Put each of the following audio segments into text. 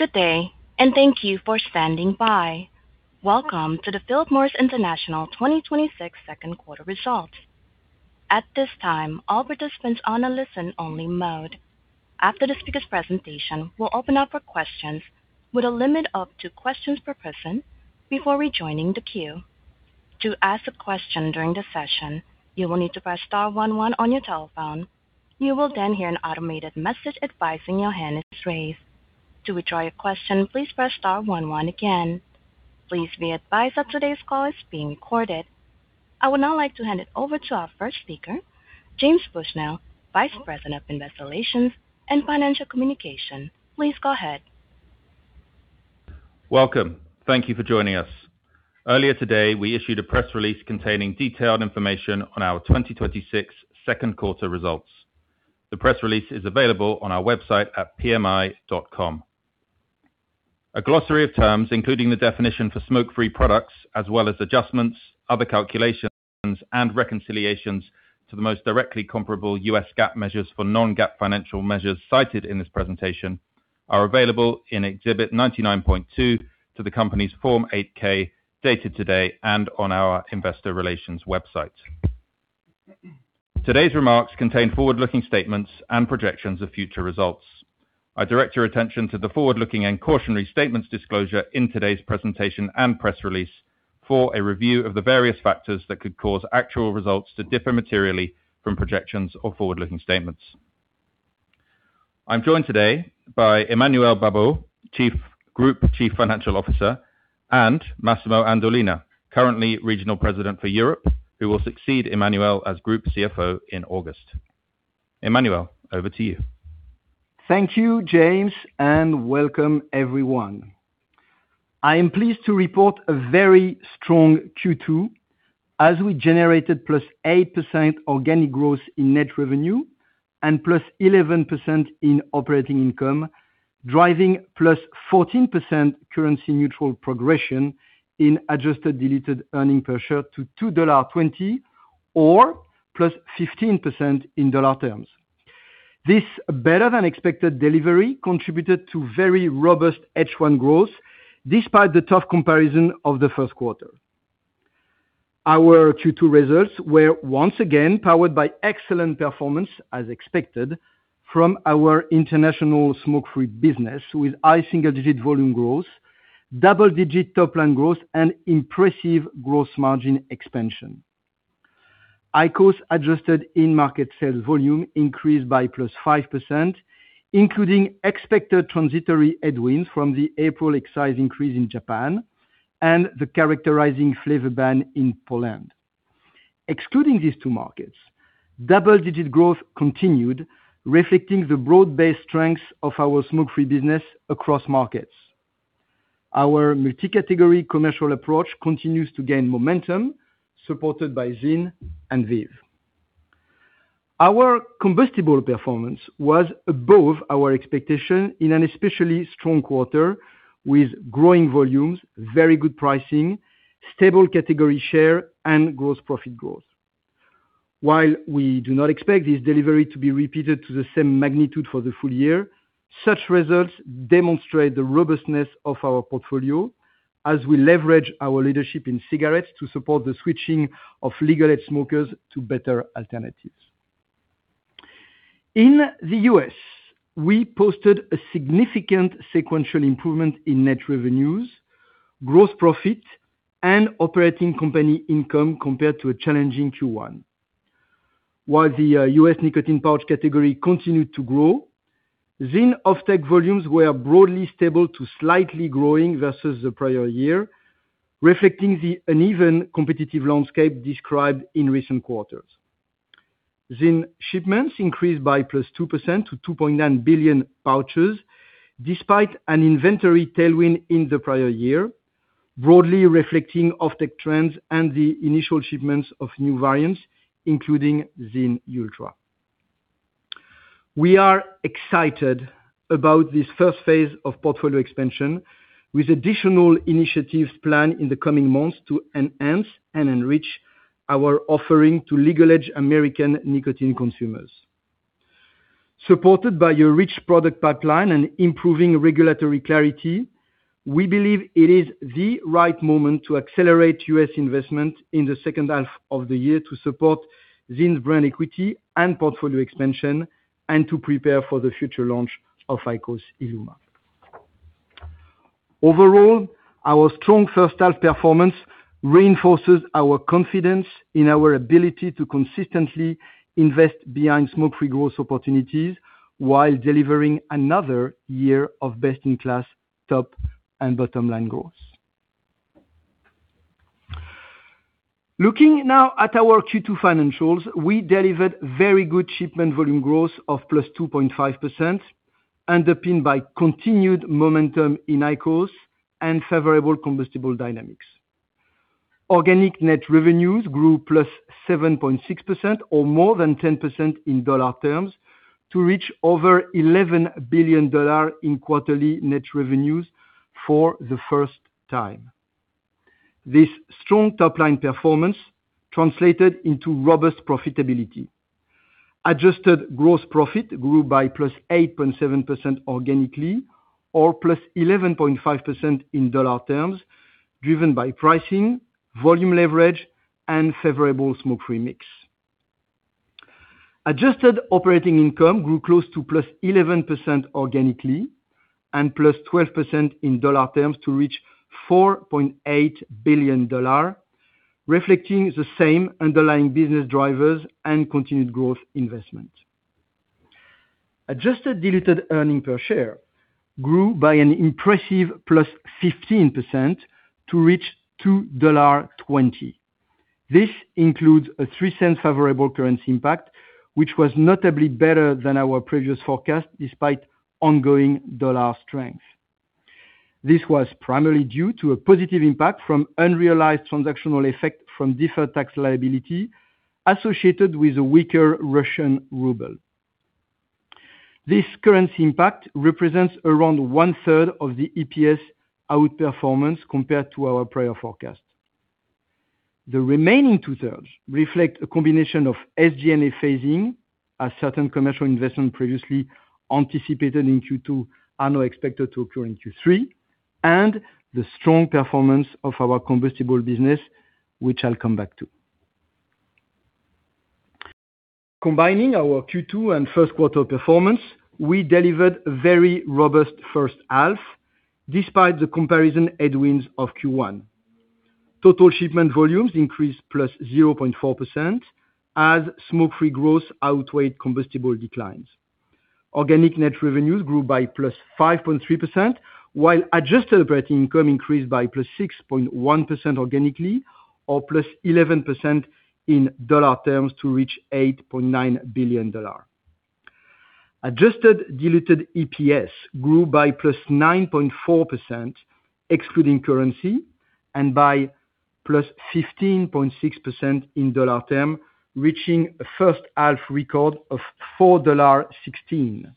Good day, and thank you for standing by. Welcome to the Philip Morris International 2026 second quarter results. At this time, all participants are on a listen-only mode. After the speaker's presentation, we will open up for questions with a limit of two questions per person before rejoining the queue. To ask a question during the session, you will need to press star one one on your telephone. You will hear an automated message advising your hand is raised. To withdraw your question, please press star 11 again. Please be advised that today's call is being recorded. I would now like to hand it over to our first speaker, James Bushnell, Vice President of Investor Relations and Financial Communication. Please go ahead. Welcome. Thank you for joining us. Earlier today, we issued a press release containing detailed information on our 2026 second quarter results. The press release is available on our website at pmi.com. A glossary of terms, including the definition for Smoke-Free Products, as well as adjustments, other calculations, and reconciliations to the most directly comparable U.S. GAAP measures for non-GAAP financial measures cited in this presentation, are available in Exhibit 99.2 to the company's Form 8-K, dated today, and on our Investor Relations website. I am joined today by Emmanuel Babeau, Group Chief Financial Officer, and Massimo Andolina, currently Regional President for Europe, who will succeed Emmanuel as Group CFO in August. Emmanuel, over to you. Thank you, James, and welcome everyone. I am pleased to report a very strong Q2 as we generated +8% organic growth in net revenue and +11% in operating income, driving +14% currency-neutral progression in adjusted diluted earnings per share to $2.20 or +15% in $ terms. This better-than-expected delivery contributed to very robust H1 growth, despite the tough comparison of the first quarter. Our Q2 results were once again powered by excellent performance, as expected, from our international Smoke-Free Products business, with high single-digit volume growth, double-digit top-line growth, and impressive gross margin expansion. IQOS adjusted in-market sales volume increased by +5%, including expected transitory headwinds from the April excise increase in Japan and the characterizing flavor ban in Poland. Excluding these two markets, double-digit growth continued, reflecting the broad-based strengths of our Smoke-Free Products business across markets. Our multi-category commercial approach continues to gain momentum, supported by ZYN and VEEV. Our combustible performance was above our expectation in an especially strong quarter, with growing volumes, very good pricing, stable category share, and gross profit growth. While we do not expect this delivery to be repeated to the same magnitude for the full year, such results demonstrate the robustness of our portfolio as we leverage our leadership in cigarettes to support the switching of legal-age smokers to better alternatives. In the U.S., we posted a significant sequential improvement in net revenues, gross profit, and operating company income compared to a challenging Q1. While the U.S. nicotine pouch category continued to grow, ZYN offtake volumes were broadly stable to slightly growing versus the prior year, reflecting the uneven competitive landscape described in recent quarters. ZYN shipments increased by +2% to 2.9 billion pouches, despite an inventory tailwind in the prior year, broadly reflecting offtake trends and the initial shipments of new variants, including ZYN Ultra. We are excited about this first phase of portfolio expansion with additional initiatives planned in the coming months to enhance and enrich our offering to legal-age American nicotine consumers. Supported by a rich product pipeline and improving regulatory clarity, we believe it is the right moment to accelerate U.S. investment in the second half of the year to support ZYN's brand equity and portfolio expansion and to prepare for the future launch of IQOS ILUMA. Overall, our strong first half performance reinforces our confidence in our ability to consistently invest behind smoke-free growth opportunities while delivering another year of best-in-class top and bottom-line growth. Looking now at our Q2 financials, we delivered very good shipment volume growth of +2.5%, underpinned by continued momentum in IQOS and favorable combustible dynamics. Organic net revenues grew +7.6%, or more than 10% in dollar terms, to reach over $11 billion in quarterly net revenues for the first time. This strong top-line performance translated into robust profitability. Adjusted gross profit grew by +8.7% organically or +11.5% in dollar terms, driven by pricing, volume leverage, and favorable smoke-free mix. Adjusted operating income grew close to +11% organically and +12% in dollar terms to reach $4.8 billion, reflecting the same underlying business drivers and continued growth investment. Adjusted diluted earnings per share grew by an impressive +15% to reach $2.20. This includes a $0.03 favorable currency impact, which was notably better than our previous forecast, despite ongoing dollar strength. This was primarily due to a positive impact from unrealized transactional effect from deferred tax liability associated with a weaker Russian ruble. This currency impact represents around one-third of the EPS outperformance compared to our prior forecast. The remaining two-thirds reflect a combination of SG&A phasing, as certain commercial investment previously anticipated in Q2 are now expected to occur in Q3, and the strong performance of our combustible business, which I'll come back to. Combining our Q2 and first quarter performance, we delivered a very robust first half despite the comparison headwinds of Q1. Total shipment volumes increased +0.4% as smoke-free growth outweighed combustible declines. Organic net revenues grew by +5.3%, while adjusted operating income increased by +6.1% organically or +11% in dollar terms to reach $8.9 billion. Adjusted diluted EPS grew by +9.4%, excluding currency, and by +15.6% in dollar term, reaching a first half record of $4.16.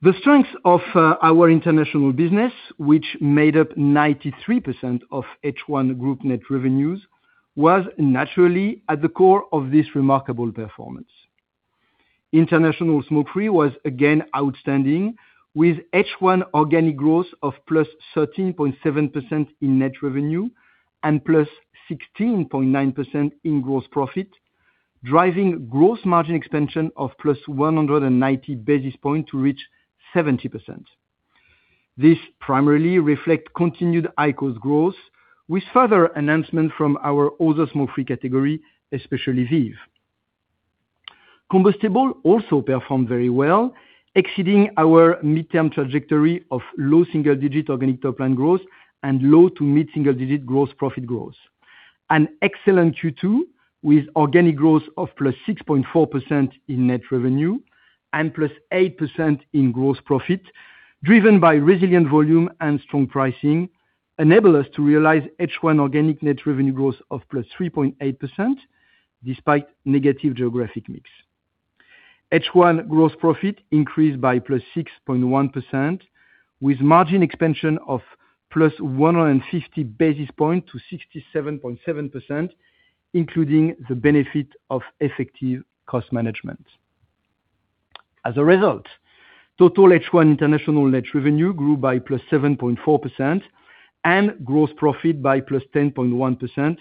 The strength of our international business, which made up 93% of H1 group net revenues, was naturally at the core of this remarkable performance. International smoke-free was again outstanding with H1 organic growth of +13.7% in net revenue and +16.9% in gross profit, driving gross margin expansion of +190 basis points to reach 70%. This primarily reflect continued IQOS growth with further announcement from our other smoke-free category, especially VEEV. Combustible also performed very well, exceeding our midterm trajectory of low single-digit organic top line growth and low to mid single-digit gross profit growth. An excellent Q2 with organic growth of +6.4% in net revenue and +8% in gross profit, driven by resilient volume and strong pricing, enable us to realize H1 organic net revenue growth of +3.8%, despite negative geographic mix. H1 gross profit increased by +6.1%, with margin expansion of +150 basis points to 67.7%, including the benefit of effective cost management. As a result, total H1 international net revenue grew by +7.4% and gross profit by +10.1%,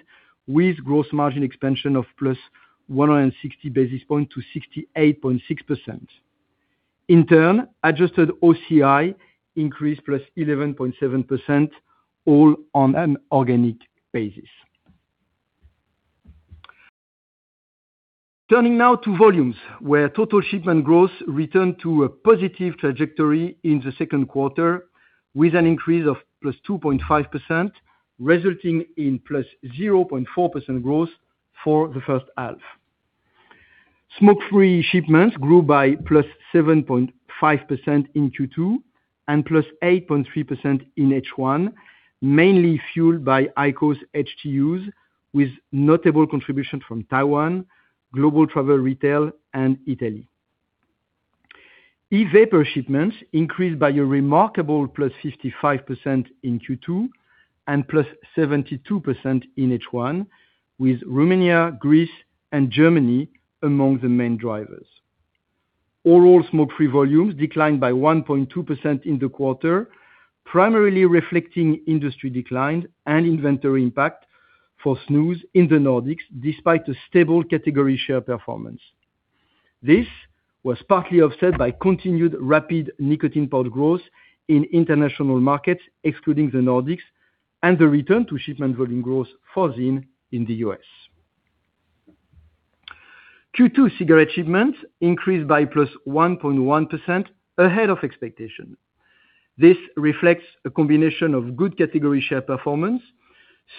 with gross margin expansion of +160 basis points to 68.6%. In turn, adjusted OCI increased +11.7%, all on an organic basis. Turning now to volumes, where total shipment growth returned to a positive trajectory in the second quarter, with an increase of +2.5%, resulting in +0.4% growth for the first half. Smoke-free shipments grew by +7.5% in Q2 and +8.3% in H1, mainly fueled by IQOS HTUs, with notable contribution from Taiwan, global travel retail, and Italy. E-vapor shipments increased by a remarkable +55% in Q2 and +72% in H1, with Romania, Greece, and Germany among the main drivers. Oral smoke-free volumes declined by 1.2% in the quarter, primarily reflecting industry decline and inventory impact for Snus in the Nordics, despite a stable category share performance. This was partly offset by continued rapid nicotine pouch growth in international markets, excluding the Nordics, and the return to shipment volume growth for ZYN in the U.S. Q2 cigarette shipments increased by +1.1% ahead of expectation. This reflects a combination of good category share performance,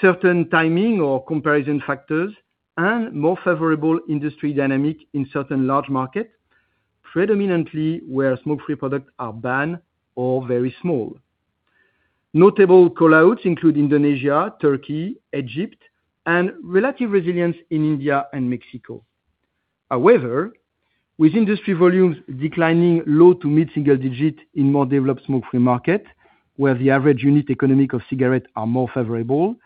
certain timing or comparison factors, and more favorable industry dynamic in certain large market, predominantly where smoke-free products are banned or very small. Notable call-outs include Indonesia, Turkey, Egypt, and relative resilience in India and Mexico. However, with industry volumes declining low to mid single-digit in more developed smoke-free market, where the average unit economic of cigarette are more favorable,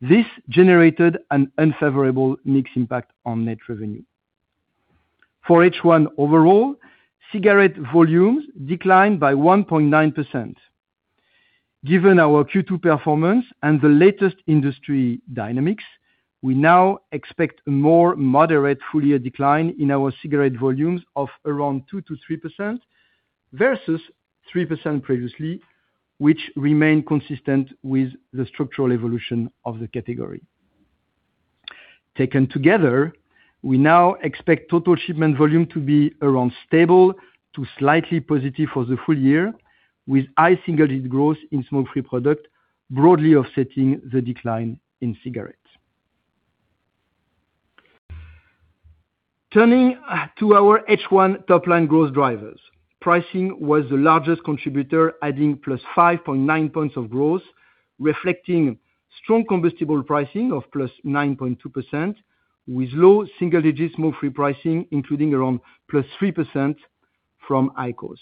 this generated an unfavorable mix impact on net revenue. For H1 overall, cigarette volumes declined by 1.9%. Given our Q2 performance and the latest industry dynamics, we now expect a more moderate full year decline in our cigarette volumes of around 2%-3%, versus 3% previously, which remain consistent with the structural evolution of the category. Taken together, we now expect total shipment volume to be around stable to slightly positive for the full year, with high single-digit growth in smoke-free product broadly offsetting the decline in cigarettes. Turning to our H1 top line growth drivers. Pricing was the largest contributor, adding +5.9 points of growth, reflecting strong combustible pricing of +9.2%, with low single-digit smoke-free pricing including around +3% from IQOS.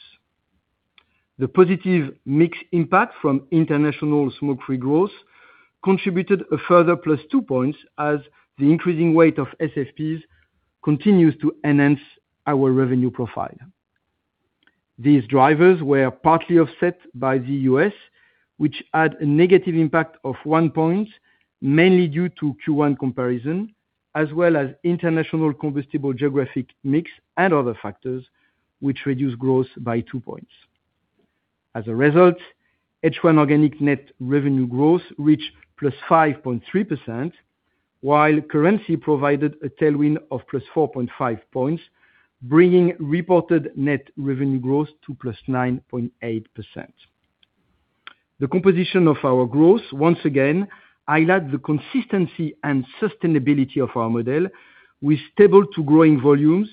The positive mix impact from international smoke-free growth contributed a further +2 points, as the increasing weight of SFPs continues to enhance our revenue profile. These drivers were partly offset by the U.S., which had a negative impact of one point, mainly due to Q1 comparison, as well as international combustible geographic mix and other factors, which reduced growth by two points. As a result, H1 organic net revenue growth reached +5.3%, while currency provided a tailwind of +4.5 points, bringing reported net revenue growth to +9.8%. The composition of our growth, once again, highlights the consistency and sustainability of our model with stable to growing volumes,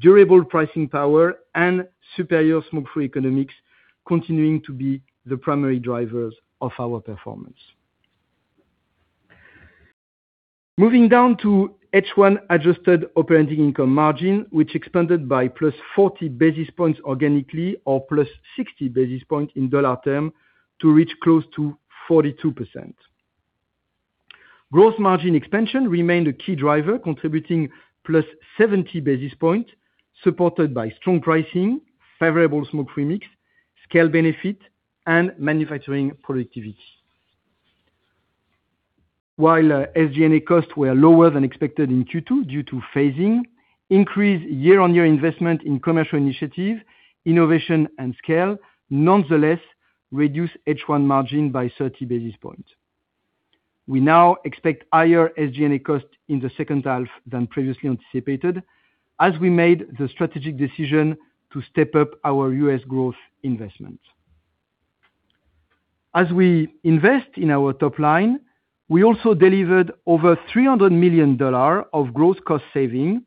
durable pricing power, and superior smoke-free economics continuing to be the primary drivers of our performance. Moving down to H1 adjusted operating income margin, which expanded by +40 basis points organically or +60 basis points in dollar term to reach close to 42%. Gross margin expansion remained a key driver, contributing +70 basis points, supported by strong pricing, favorable smoke remix, scale benefit, and manufacturing productivity. While SG&A costs were lower than expected in Q2 due to phasing, increased year-on-year investment in commercial initiative, innovation, and scale nonetheless reduced H1 margin by 30 basis points. We now expect higher SG&A costs in the second half than previously anticipated, as we made the strategic decision to step up our U.S. growth investment. As we invest in our top line, we also delivered over $300 million of gross cost saving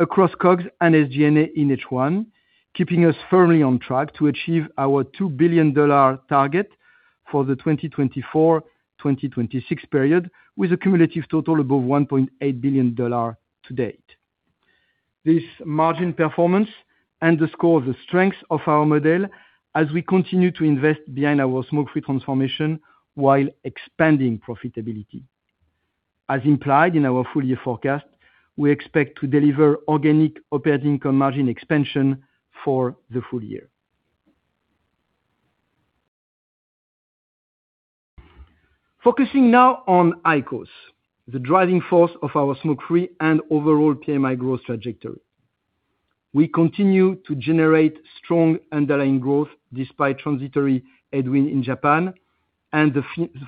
across COGS and SG&A in H1, keeping us firmly on track to achieve our $2 billion target for the 2024-2026 period, with a cumulative total above $1.8 billion to date. This margin performance underscores the strength of our model as we continue to invest behind our smoke-free transformation while expanding profitability. As implied in our full year forecast, we expect to deliver organic operating income margin expansion for the full year. Focusing now on IQOS, the driving force of our smoke-free and overall PMI growth trajectory. We continue to generate strong underlying growth despite transitory headwind in Japan and the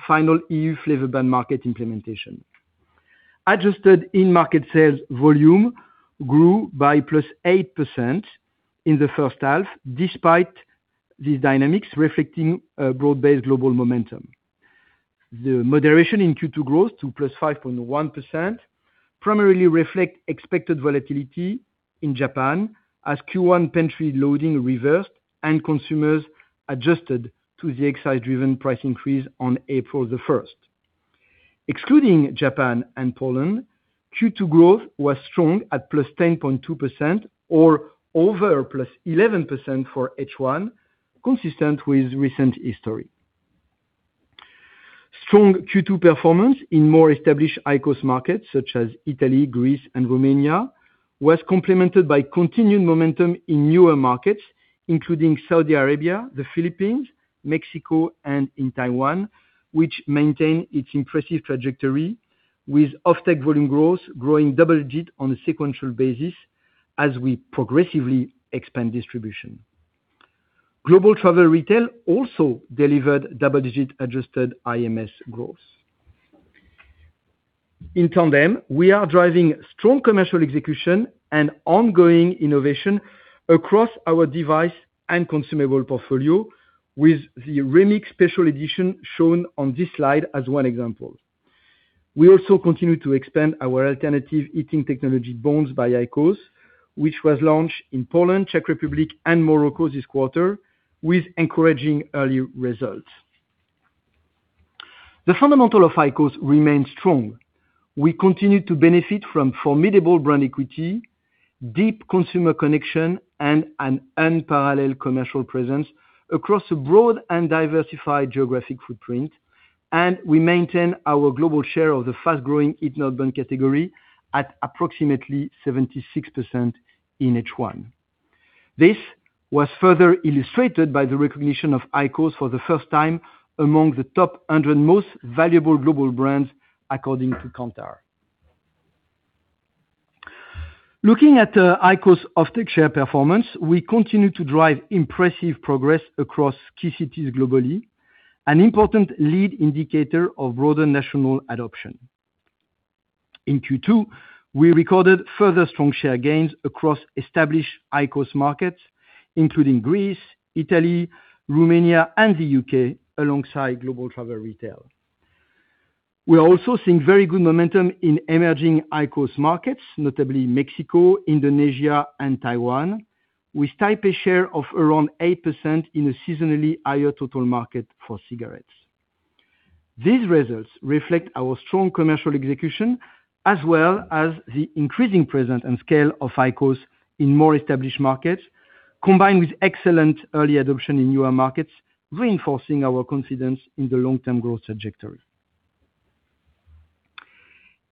final EU flavor ban market implementation. Adjusted in-market sales volume grew by +8% in the first half, despite these dynamics reflecting a broad-based global momentum. The moderation in Q2 growth to +5.1% primarily reflects expected volatility in Japan as Q1 pantry loading reversed and consumers adjusted to the excise-driven price increase on April the 1st. Excluding Japan and Poland, Q2 growth was strong at +10.2% or over +11% for H1, consistent with recent history. Strong Q2 performance in more established IQOS markets such as Italy, Greece, and Romania, was complemented by continued momentum in newer markets including Saudi Arabia, the Philippines, Mexico, and in Taiwan, which maintain its impressive trajectory with offtake volume growth growing double-digit on a sequential basis as we progressively expand distribution. Global travel retail also delivered double-digit adjusted IMS growth. In tandem, we are driving strong commercial execution and ongoing innovation across our device and consumable portfolio with the Remix Special Edition shown on this slide as one example. We also continue to expand our alternative heating technology, BONDS by IQOS, which was launched in Poland, Czech Republic, and Morocco this quarter with encouraging early results. The fundamental of IQOS remains strong. We continue to benefit from formidable brand equity, deep consumer connection, and an unparalleled commercial presence across a broad and diversified geographic footprint, and we maintain our global share of the fast-growing heat-not-burn category at approximately 76% in H1. This was further illustrated by the recognition of IQOS for the first time among the top 100 most valuable global brands, according to Kantar. Looking at the IQOS offtake share performance, we continue to drive impressive progress across key cities globally, an important lead indicator of broader national adoption. In Q2, we recorded further strong share gains across established IQOS markets, including Greece, Italy, Romania, and the U.K., alongside global travel retail. We are also seeing very good momentum in emerging IQOS markets, notably Mexico, Indonesia, and Taiwan, with Taipei share of around 8% in a seasonally higher total market for cigarettes. These results reflect our strong commercial execution, as well as the increasing presence and scale of IQOS in more established markets, combined with excellent early adoption in newer markets, reinforcing our confidence in the long-term growth trajectory.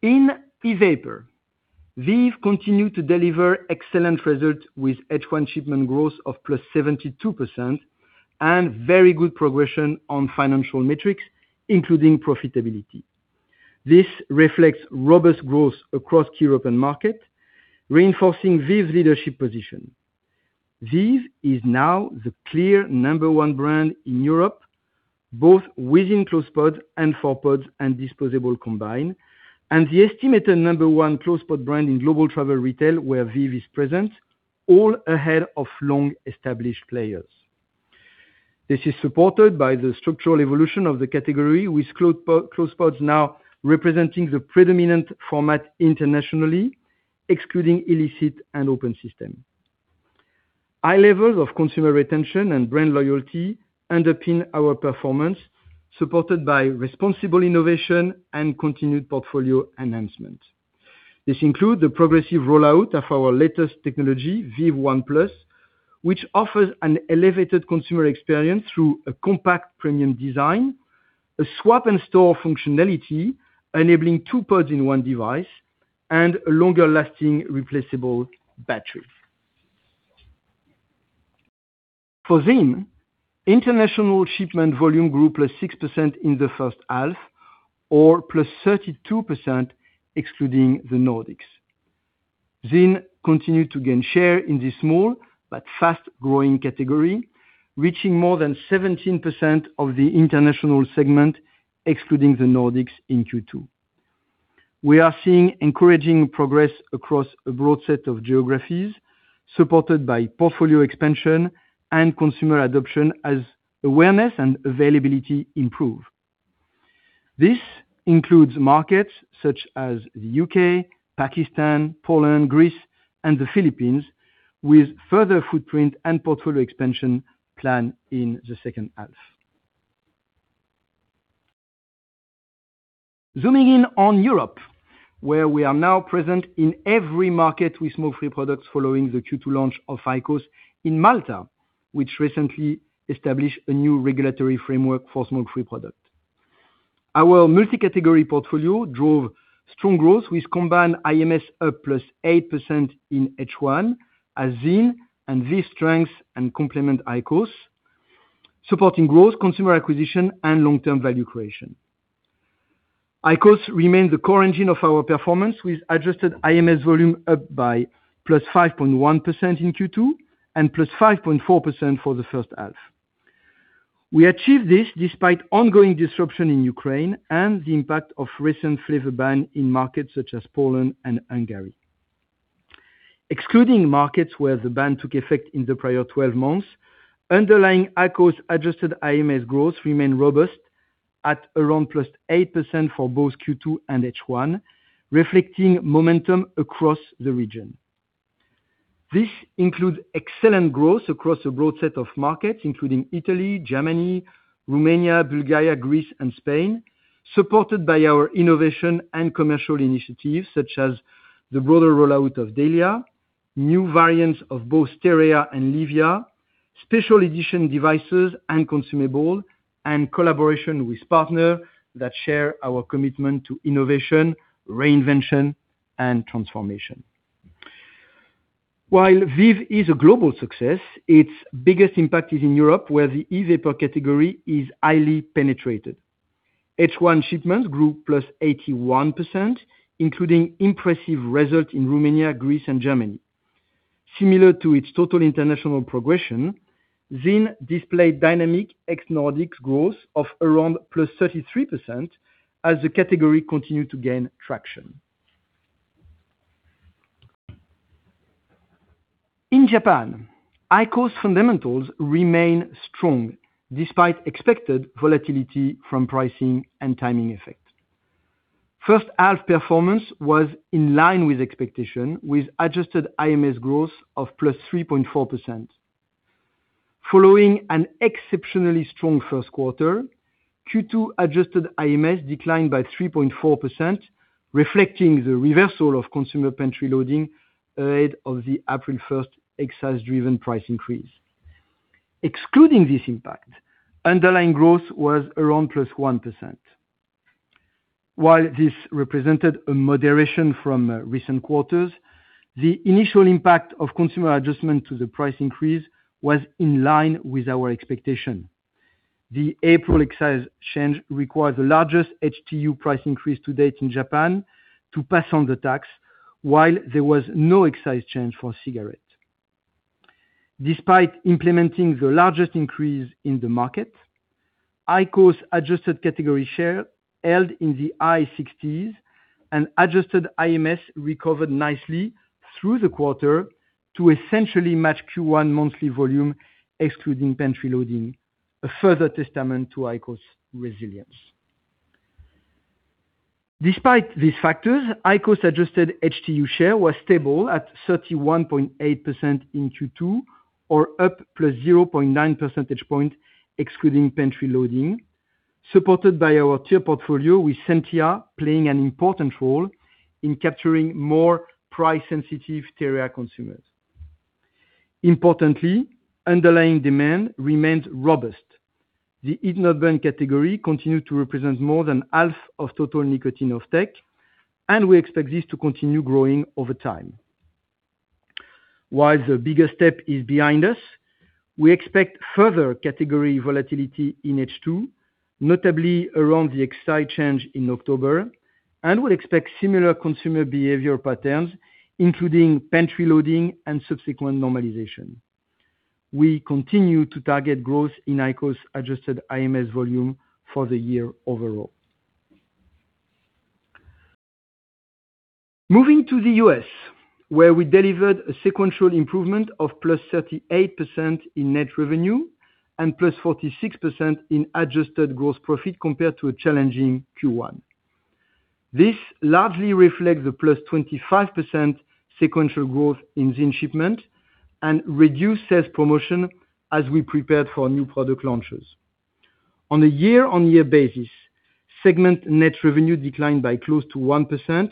In e-vapor, VEEV continue to deliver excellent results with H1 shipment growth of +72% and very good progression on financial metrics, including profitability. This reflects robust growth across key open market, reinforcing VEEV's leadership position. VEEV is now the clear number one brand in Europe, both within closed pod and for pods and disposable combined, and the estimated number one closed pod brand in global travel retail where VEEV is present, all ahead of long-established players. This is supported by the structural evolution of the category, with closed pods now representing the predominant format internationally, excluding illicit and open system. High levels of consumer retention and brand loyalty underpin our performance, supported by responsible innovation and continued portfolio enhancement. This include the progressive rollout of our latest technology, VEEV One Plus, which offers an elevated consumer experience through a compact premium design, a swap and store functionality enabling two pods in one device, and a longer-lasting replaceable battery. For ZYN, international shipment volume grew +6% in the first half or +32% excluding the Nordics. ZYN continued to gain share in this small but fast-growing category, reaching more than 17% of the international segment, excluding the Nordics in Q2. We are seeing encouraging progress across a broad set of geographies, supported by portfolio expansion and consumer adoption as awareness and availability improve. This includes markets such as the U.K., Pakistan, Poland, Greece, and the Philippines, with further footprint and portfolio expansion plan in the second half. Zooming in on Europe, where we are now present in every market with smoke-free products following the Q2 launch of IQOS in Malta, which recently established a new regulatory framework for smoke-free product. Our multi-category portfolio drove strong growth with combined IMS up +8% in H1 as ZYN and VEEV strengths and complement IQOS, supporting growth, consumer acquisition, and long-term value creation. IQOS remains the core engine of our performance with adjusted IMS volume up by +5.1% in Q2 and +5.4% for the first half. We achieved this despite ongoing disruption in Ukraine and the impact of recent flavor ban in markets such as Poland and Hungary. Excluding markets where the ban took effect in the prior 12 months, underlying IQOS adjusted IMS growth remained robust at around +8% for both Q2 and H1, reflecting momentum across the region. This includes excellent growth across a broad set of markets, including Italy, Germany, Romania, Bulgaria, Greece, and Spain. Supported by our innovation and commercial initiatives such as the broader rollout of DELIA, new variants of both TEREA and LEVIA, special edition devices and consumable, and collaboration with partner that share our commitment to innovation, reinvention, and transformation. While VEEV is a global success, its biggest impact is in Europe, where the e-vapor category is highly penetrated. H1 shipments grew +81%, including impressive results in Romania, Greece, and Germany. Similar to its total international progression, ZYN displayed dynamic ex-Nordics growth of around +33% as the category continued to gain traction. In Japan, IQOS fundamentals remain strong despite expected volatility from pricing and timing effect. First half performance was in line with expectation with adjusted IMS growth of +3.4%. Following an exceptionally strong first quarter, Q2 adjusted IMS declined by 3.4%, reflecting the reversal of consumer pantry loading ahead of the April 1st excise-driven price increase. Excluding this impact, underlying growth was around +1%. While this represented a moderation from recent quarters, the initial impact of consumer adjustment to the price increase was in line with our expectation. The April excise change required the largest HTU price increase to date in Japan to pass on the tax while there was no excise change for cigarettes. Despite implementing the largest increase in the market, IQOS adjusted category share held in the high 60s and adjusted IMS recovered nicely through the quarter to essentially match Q1 monthly volume, excluding pantry loading, a further testament to IQOS resilience. Despite these factors, IQOS-adjusted HTU share was stable at 31.8% in Q2 or up +0.9 percentage point excluding pantry loading, supported by our tier portfolio, with SENTIA playing an important role in capturing more price-sensitive TEREA consumers. Importantly, underlying demand remained robust. The heat-not-burn category continued to represent more than half of total nicotine offtake, and we expect this to continue growing over time. While the biggest step is behind us, we expect further category volatility in H2, notably around the excise change in October, and we'll expect similar consumer behavior patterns, including pantry loading and subsequent normalization. We continue to target growth in IQOS adjusted IMS volume for the year overall. Moving to the U.S., where we delivered a sequential improvement of +38% in net revenue and +46% in adjusted gross profit compared to a challenging Q1. This largely reflects the +25% sequential growth in ZYN shipment and reduced sales promotion as we prepared for new product launches. On a year-on-year basis, segment net revenue declined by close to 1%,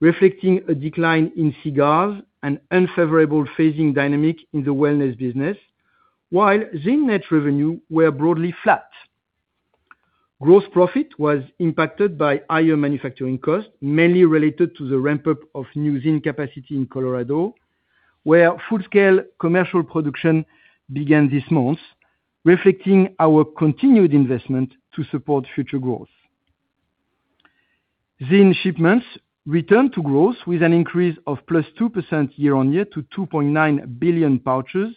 reflecting a decline in cigars and unfavorable phasing dynamic in the wellness business, while ZYN net revenue were broadly flat. Gross profit was impacted by higher manufacturing costs, mainly related to the ramp-up of new ZYN capacity in Colorado, where full-scale commercial production began this month, reflecting our continued investment to support future growth. ZYN shipments returned to growth with an increase of +2% year-on-year to 2.9 billion pouches,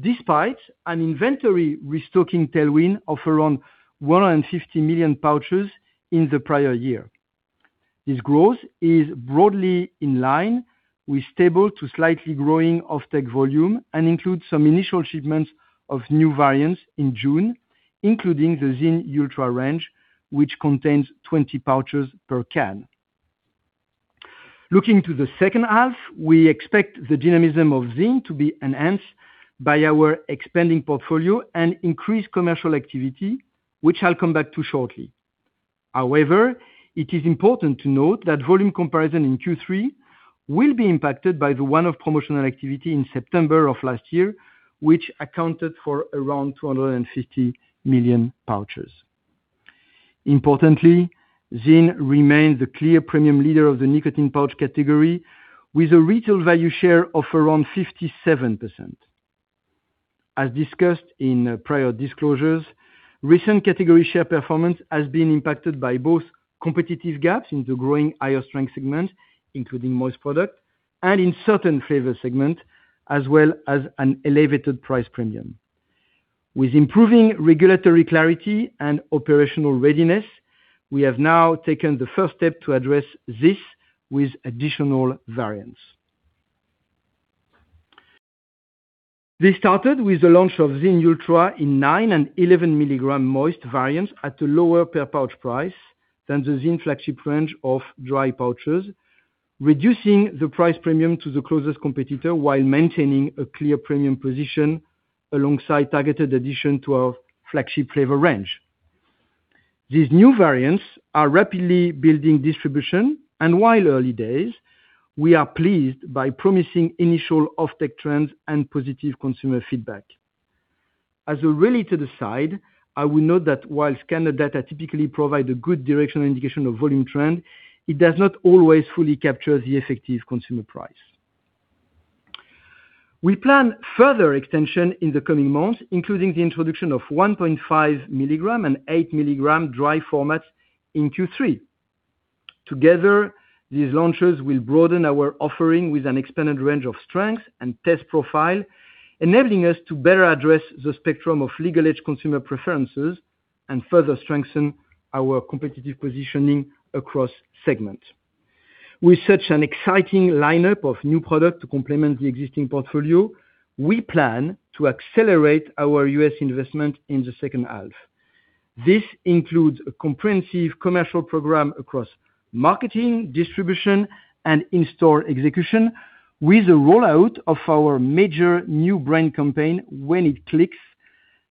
despite an inventory restocking tailwind of around 150 million pouches in the prior year. This growth is broadly in line with stable to slightly growing offtake volume and includes some initial shipments of new variants in June, including the ZYN Ultra range, which contains 20 pouches per can. Looking to the second half, we expect the dynamism of ZYN to be enhanced by our expanding portfolio and increased commercial activity, which I'll come back to shortly. However, it is important to note that volume comparison in Q3 will be impacted by the one-off promotional activity in September of last year, which accounted for around 250 million pouches. Importantly, ZYN remains the clear premium leader of the nicotine pouch category, with a retail value share of around 57%. As discussed in prior disclosures, recent category share performance has been impacted by both competitive gaps in the growing higher strength segment, including moist product and in certain flavor segment, as well as an elevated price premium. With improving regulatory clarity and operational readiness, we have now taken the first step to address this with additional variants. This started with the launch of ZYN Ultra in nine and 11 milligram moist variants at a lower per pouch price than the ZYN flagship range of dry pouches, reducing the price premium to the closest competitor while maintaining a clear premium position alongside targeted addition to our flagship flavor range. These new variants are rapidly building distribution, and while early days, we are pleased by promising initial offtake trends and positive consumer feedback. As a related aside, I will note that while scanner data typically provide a good directional indication of volume trend, it does not always fully capture the effective consumer price. We plan further extension in the coming months, including the introduction of 1.5 milligram and eight milligram dry formats in Q3. Together, these launches will broaden our offering with an expanded range of strengths and taste profile, enabling us to better address the spectrum of legal age consumer preferences and further strengthen our competitive positioning across segments. With such an exciting lineup of new product to complement the existing portfolio, we plan to accelerate our U.S. investment in the second half. This includes a comprehensive commercial program across marketing, distribution, and in-store execution with a rollout of our major new brand campaign, When it Clicks,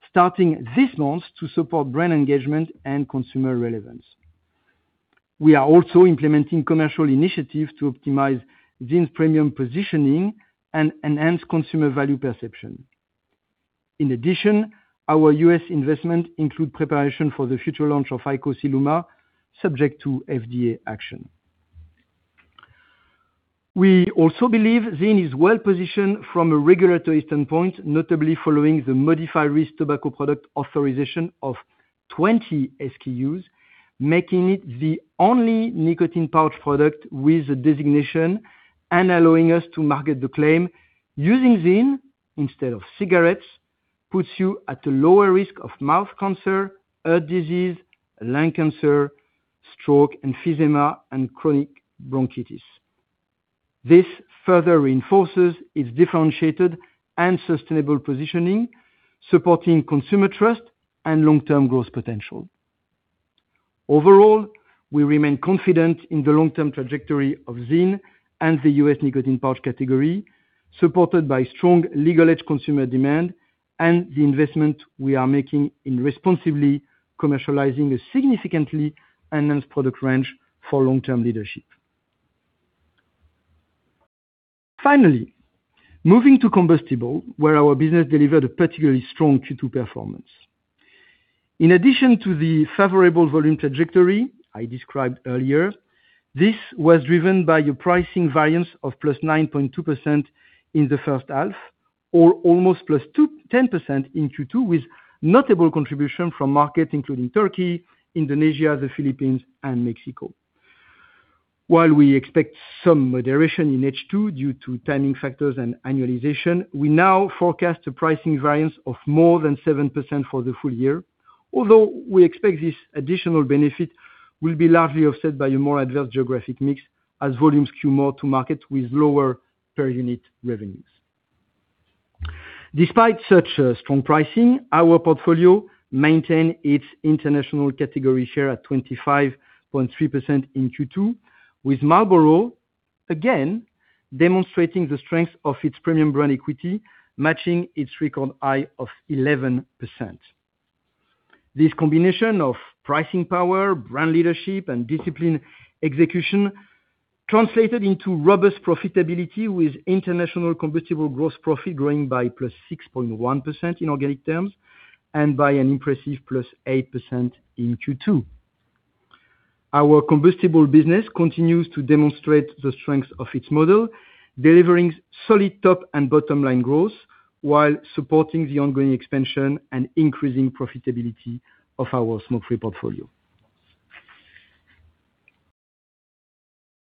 starting this month to support brand engagement and consumer relevance. We are also implementing commercial initiatives to optimize ZYN's premium positioning and enhance consumer value perception. In addition, our U.S. investment include preparation for the future launch of IQOS ILUMA, subject to FDA action. We also believe ZYN is well-positioned from a regulatory standpoint, notably following the modified risk tobacco product authorization of 20 SKUs, making it the only nicotine pouch product with the designation and allowing us to market the claim, "Using ZYN instead of cigarettes puts you at a lower risk of mouth cancer, heart disease, lung cancer, stroke, emphysema, and chronic bronchitis." This further reinforces its differentiated and sustainable positioning, supporting consumer trust and long-term growth potential. Overall, we remain confident in the long-term trajectory of ZYN and the U.S. nicotine pouch category, supported by strong legal age consumer demand and the investment we are making in responsibly commercializing a significantly enhanced product range for long-term leadership. Finally, moving to combustible, where our business delivered a particularly strong Q2 performance. In addition to the favorable volume trajectory I described earlier, this was driven by a pricing variance of +9.2% in the first half, or almost +10% in Q2, with notable contribution from markets including Turkey, Indonesia, the Philippines, and Mexico. While we expect some moderation in H2 due to timing factors and annualization, we now forecast a pricing variance of more than 7% for the full year. Although we expect this additional benefit will be largely offset by a more adverse geographic mix as volumes queue more to markets with lower per-unit revenues. Despite such strong pricing, our portfolio maintained its international category share at 25.3% in Q2, with Marlboro again demonstrating the strength of its premium brand equity, matching its record high of 11%. This combination of pricing power, brand leadership, and discipline execution translated into robust profitability, with international combustible gross profit growing by +6.1% in organic terms and by an impressive +8% in Q2. Our combustible business continues to demonstrate the strength of its model, delivering solid top and bottom-line growth while supporting the ongoing expansion and increasing profitability of our smoke-free portfolio.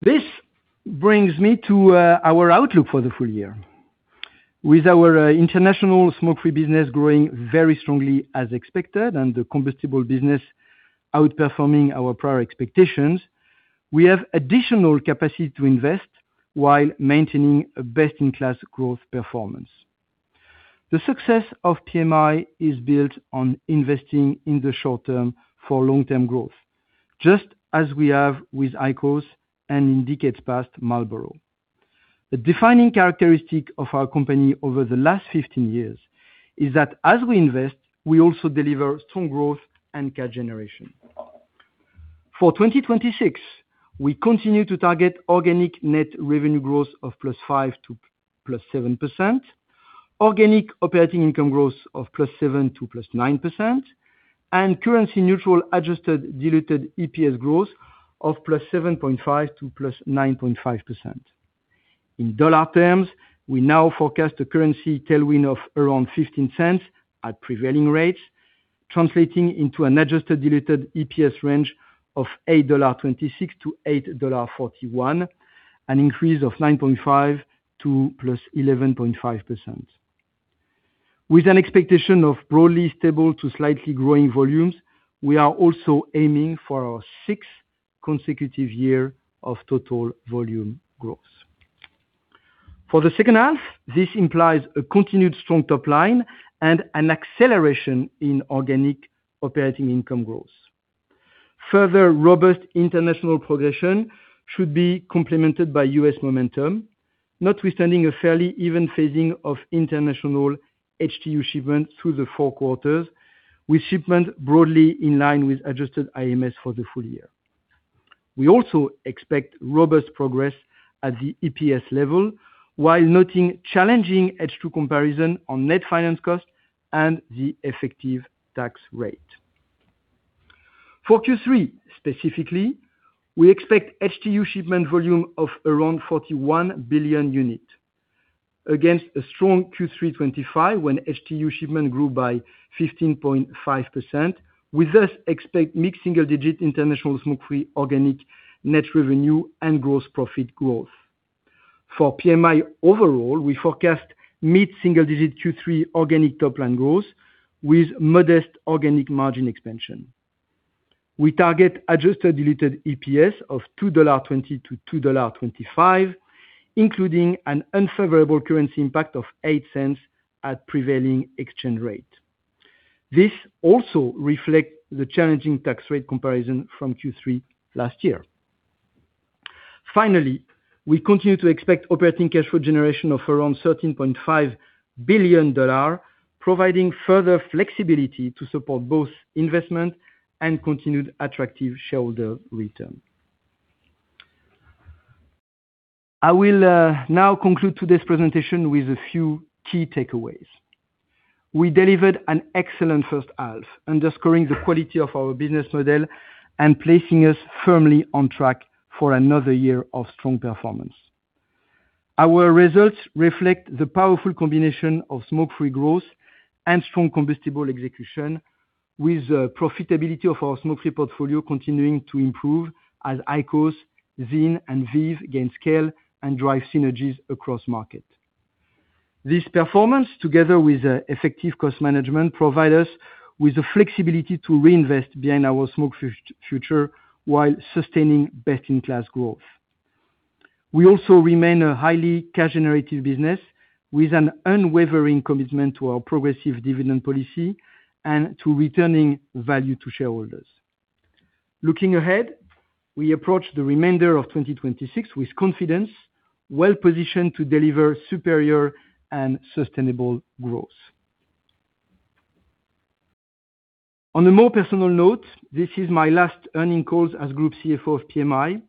This brings me to our outlook for the full year. With our international smoke-free business growing very strongly as expected, and the combustible business outperforming our prior expectations, we have additional capacity to invest while maintaining a best-in-class growth performance. The success of PMI is built on investing in the short term for long-term growth, just as we have with IQOS, and in decades past, Marlboro. The defining characteristic of our company over the last 15 years is that as we invest, we also deliver strong growth and cash generation. For 2026, we continue to target organic net revenue growth of +5% to +7%, organic operating income growth of +7% to +9%, and currency neutral adjusted diluted EPS growth of +7.5% to +9.5%. In dollar terms, we now forecast a currency tailwind of around $0.15 at prevailing rates. Translating into an adjusted diluted EPS range of $8.26 to $8.41, an increase of 9.5% to +11.5%. With an expectation of broadly stable to slightly growing volumes, we are also aiming for our sixth consecutive year of total volume growth. For the second half, this implies a continued strong top line and an acceleration in organic operating income growth. Further robust international progression should be complemented by U.S. momentum, notwithstanding a fairly even phasing of international HTU shipments through the four quarters, with shipment broadly in line with adjusted IMS for the full year. We also expect robust progress at the EPS level while noting challenging H2 comparison on net finance cost and the effective tax rate. For Q3, specifically, we expect HTU shipment volume of around 41 billion units against a strong Q3 2025, when HTU shipment grew by 15.5%. We, thus, expect mid-single-digit international smoke-free organic net revenue and gross profit growth. For PMI overall, we forecast mid-single digit Q3 organic top line growth with modest organic margin expansion. We target adjusted diluted EPS of $2.20 to $2.25, including an unfavorable currency impact of $0.08 at prevailing exchange rate. This also reflects the challenging tax rate comparison from Q3 last year. We continue to expect operating cash flow generation of around $13.5 billion, providing further flexibility to support both investment and continued attractive shareholder return. I will now conclude today's presentation with a few key takeaways. We delivered an excellent first half, underscoring the quality of our business model and placing us firmly on track for another year of strong performance. Our results reflect the powerful combination of smoke-free growth and strong combustible execution, with the profitability of our smoke-free portfolio continuing to improve as IQOS, ZYN, and VEEV gain scale and drive synergies across markets. This performance, together with effective cost management, provide us with the flexibility to reinvest behind our smoke-free future while sustaining best-in-class growth. We also remain a highly cash generative business with an unwavering commitment to our progressive dividend policy and to returning value to shareholders. Looking ahead, we approach the remainder of 2026 with confidence, well-positioned to deliver superior and sustainable growth. On a more personal note, this is my last earnings call as Group CFO of PMI,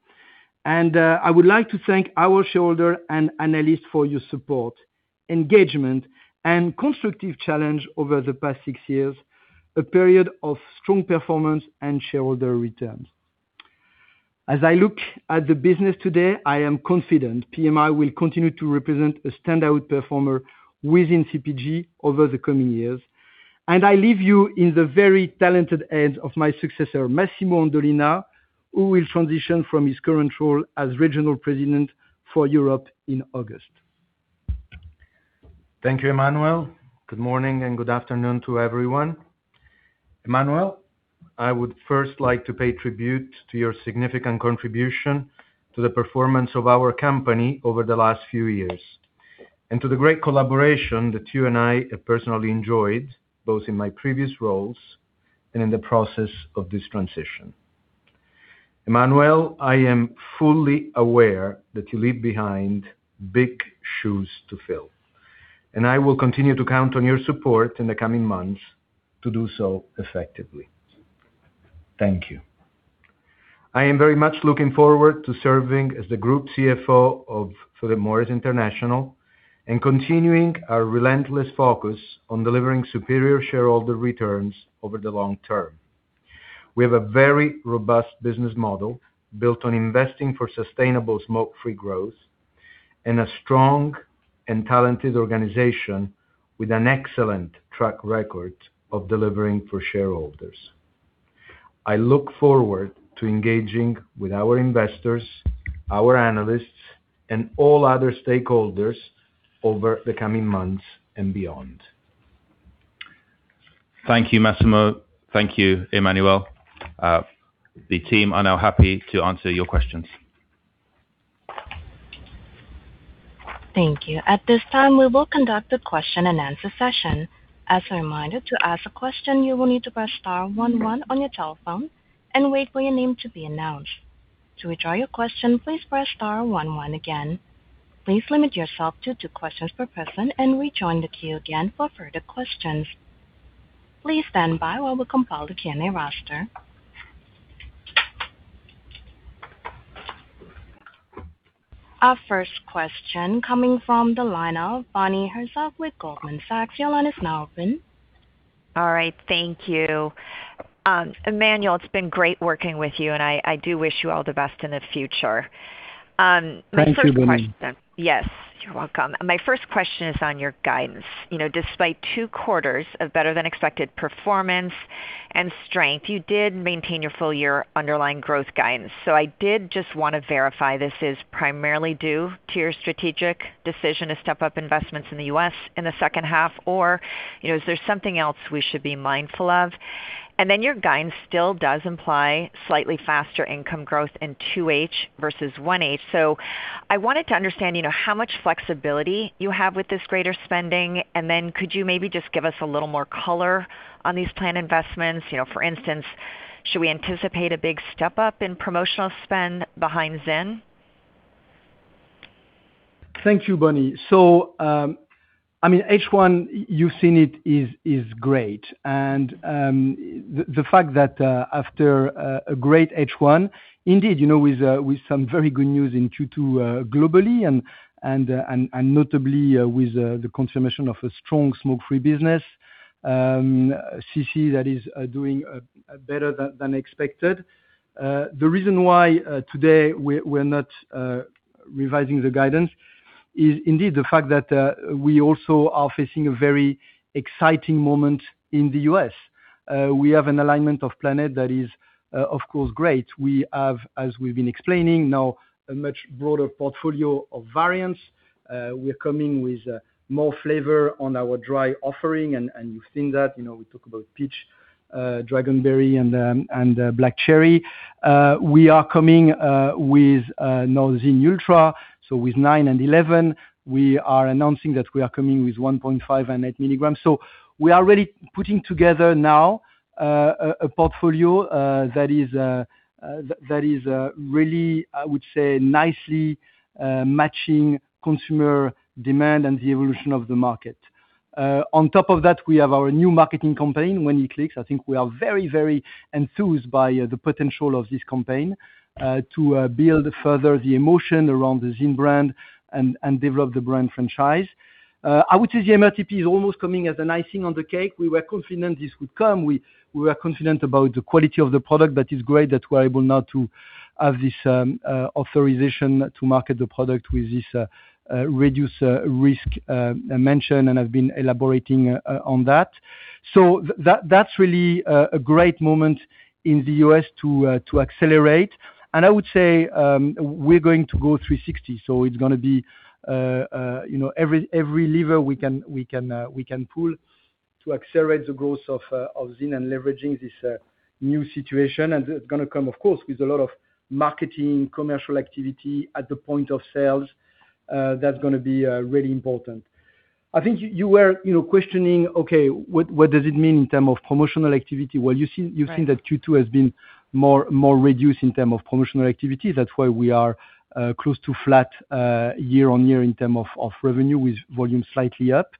and I would like to thank our shareholders and analysts for your support, engagement, and constructive challenge over the past six years, a period of strong performance and shareholder returns. As I look at the business today, I am confident PMI will continue to represent a standout performer within CPG over the coming years, and I leave you in the very talented hands of my successor, Massimo Andolina, who will transition from his current role as Regional President for Europe in August. Thank you, Emmanuel. Good morning and good afternoon to everyone. Emmanuel, I would first like to pay tribute to your significant contribution to the performance of our company over the last few years and to the great collaboration that you and I have personally enjoyed, both in my previous roles and in the process of this transition. Emmanuel, I am fully aware that you leave behind big shoes to fill, and I will continue to count on your support in the coming months to do so effectively. Thank you. I am very much looking forward to serving as the Group CFO of Philip Morris International and continuing our relentless focus on delivering superior shareholder returns over the long term. We have a very robust business model built on investing for sustainable smoke-free growth and a strong and talented organization with an excellent track record of delivering for shareholders. I look forward to engaging with our investors, our analysts, and all other stakeholders over the coming months and beyond. Thank you, Massimo. Thank you, Emmanuel. The team are now happy to answer your questions. Thank you. At this time, we will conduct a question-and-answer session. As a reminder, to ask a question, you will need to press star one one on your telephone and wait for your name to be announced. To withdraw your question, please press star one one again. Please limit yourself to two questions per person and rejoin the queue again for further questions. Please stand by while we compile the Q&A roster. Our first question coming from the line of Bonnie Herzog with Goldman Sachs. Your line is now open. All right. Thank you. Emmanuel, it's been great working with you, and I do wish you all the best in the future. Thank you, Bonnie. Yes, you're welcome. My first question is on your guidance. Despite two quarters of better-than-expected performance and strength, you did maintain your full-year underlying growth guidance. I did just want to verify this is primarily due to your strategic decision to step up investments in the U.S. in the second half, or is there something else we should be mindful of? Your guidance still does imply slightly faster income growth in 2H versus 1H. I wanted to understand how much flexibility you have with this greater spending, could you maybe just give us a little more color on these planned investments? For instance, should we anticipate a big step-up in promotional spend behind ZYN? Thank you, Bonnie. H1, you've seen it, is great. The fact that after a great H1, indeed, with some very good news in Q2 globally and notably with the confirmation of a strong smoke-free business, CC, that is doing better than expected. The reason why today we're not revising the guidance is indeed the fact that we also are facing a very exciting moment in the U.S. We have an alignment of planet that is, of course, great. We have, as we've been explaining now, a much broader portfolio of variants. We're coming with more flavor on our dry offering, and you've seen that. We talk about peach Dragonberry and black cherry. We are coming with now ZYN Ultra. With nine and 11, we are announcing that we are coming with 1.5 and eight milligrams. We are really putting together now a portfolio that is really, I would say, nicely matching consumer demand and the evolution of the market. On top of that, we have our new marketing campaign, When it Clicks. I think we are very enthused by the potential of this campaign to build further the emotion around the ZYN brand and develop the brand franchise. I would say the MRTP is almost coming as an icing on the cake. We were confident this would come. We were confident about the quality of the product, but it's great that we're able now to have this authorization to market the product with this reduced risk mention, and I've been elaborating on that. That's really a great moment in the U.S. to accelerate. I would say, we're going to go 360. It's going to be every lever we can pull to accelerate the growth of ZYN and leveraging this new situation. It's going to come, of course, with a lot of marketing, commercial activity at the point of sales. That's going to be really important. I think you were questioning, okay, what does it mean in term of promotional activity? You've seen that Q2 has been more reduced in term of promotional activity. That's why we are close to flat year-over-year in term of revenue, with volume slightly up.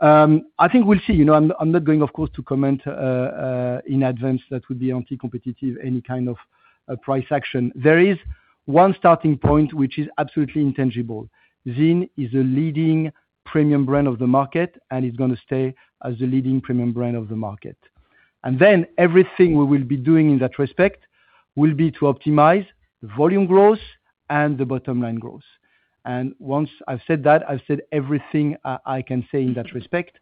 I think we'll see. I'm not going, of course, to comment in advance, that would be anti-competitive, any kind of price action. There is one starting point which is absolutely intangible. ZYN is a leading premium brand of the market and is going to stay as the leading premium brand of the market. Everything we will be doing in that respect will be to optimize volume growth and the bottom line growth. Once I've said that, I've said everything I can say in that respect.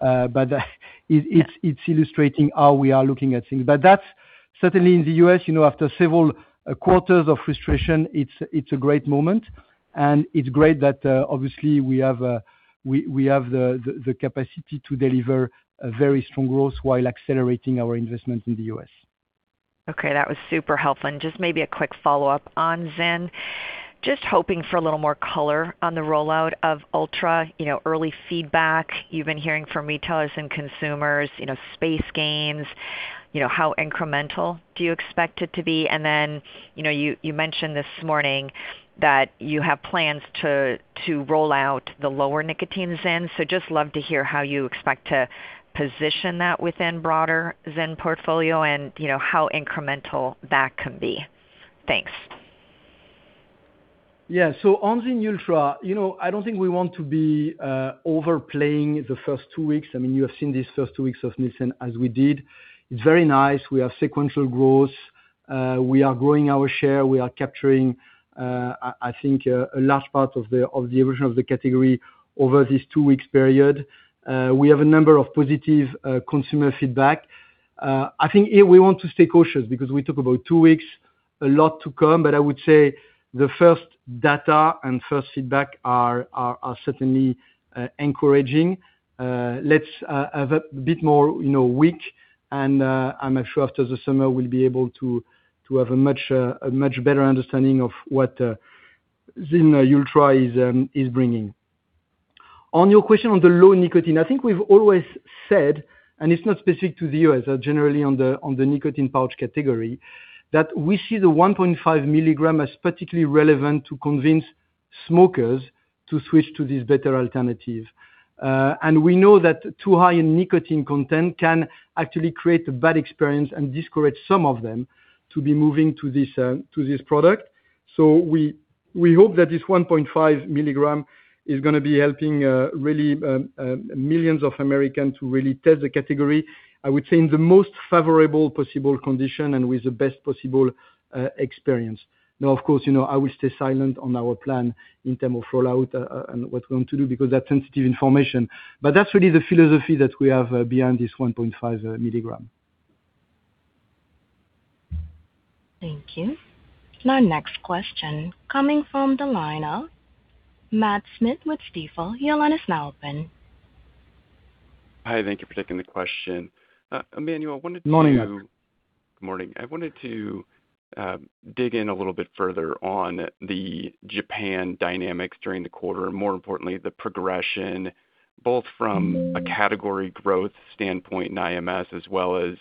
It's illustrating how we are looking at things. That's certainly in the U.S., after several quarters of frustration, it's a great moment, and it's great that obviously we have the capacity to deliver a very strong growth while accelerating our investment in the U.S. Okay. That was super helpful. Just maybe a quick follow-up on ZYN. Just hoping for a little more color on the rollout of ZYN Ultra, early feedback you've been hearing from retailers and consumers, space gains, how incremental do you expect it to be? You mentioned this morning that you have plans to roll out the lower nicotine ZYN. Just love to hear how you expect to position that within broader ZYN portfolio and how incremental that can be. Thanks. Yeah. On ZYN Ultra, I don't think we want to be overplaying the first two weeks. You have seen these first two weeks of ZYN as we did. It's very nice. We have sequential growth. We are growing our share. We are capturing, I think, a large part of the evolution of the category over this two weeks period. We have a number of positive consumer feedback. I think here we want to stay cautious because we talk about two weeks, a lot to come, but I would say the first data and first feedback are certainly encouraging. Let's have a bit more week, and I'm sure after the summer, we'll be able to have a much better understanding of what ZYN Ultra is bringing. On your question on the low nicotine, I think we've always said, and it's not specific to the U.S., generally on the nicotine pouch category, that we see the 1.5 milligram as particularly relevant to convince smokers to switch to this better alternative. We know that too high in nicotine content can actually create a bad experience and discourage some of them to be moving to this product. We hope that this 1.5 milligram is going to be helping really millions of Americans who really test the category, I would say, in the most favorable possible condition and with the best possible experience. Of course, I will stay silent on our plan in term of rollout, and what we're going to do because that's sensitive information. That's really the philosophy that we have behind this 1.5 milligram. Thank you. Our next question coming from the line of Matt Smith with Stifel. Your line is now open. Hi, thank you for taking the question, Emmanuel. Morning, Matt. Morning. I wanted to dig in a little bit further on the Japan dynamics during the quarter, and more importantly, the progression, both from a category growth standpoint in IMS as well as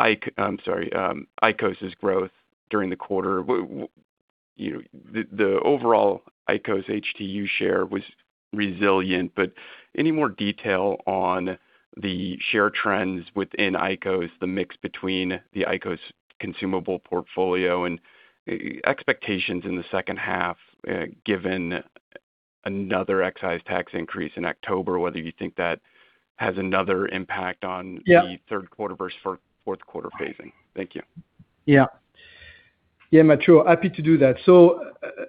IQOS's growth during the quarter. The overall IQOS HTU share was resilient, but any more detail on the share trends within IQOS, the mix between the IQOS consumable portfolio and expectations in the second half, given another excise tax increase in October, whether you think that has another impact on the third quarter versus fourth quarter phasing. Thank you. Yeah, Matt. Sure. Happy to do that.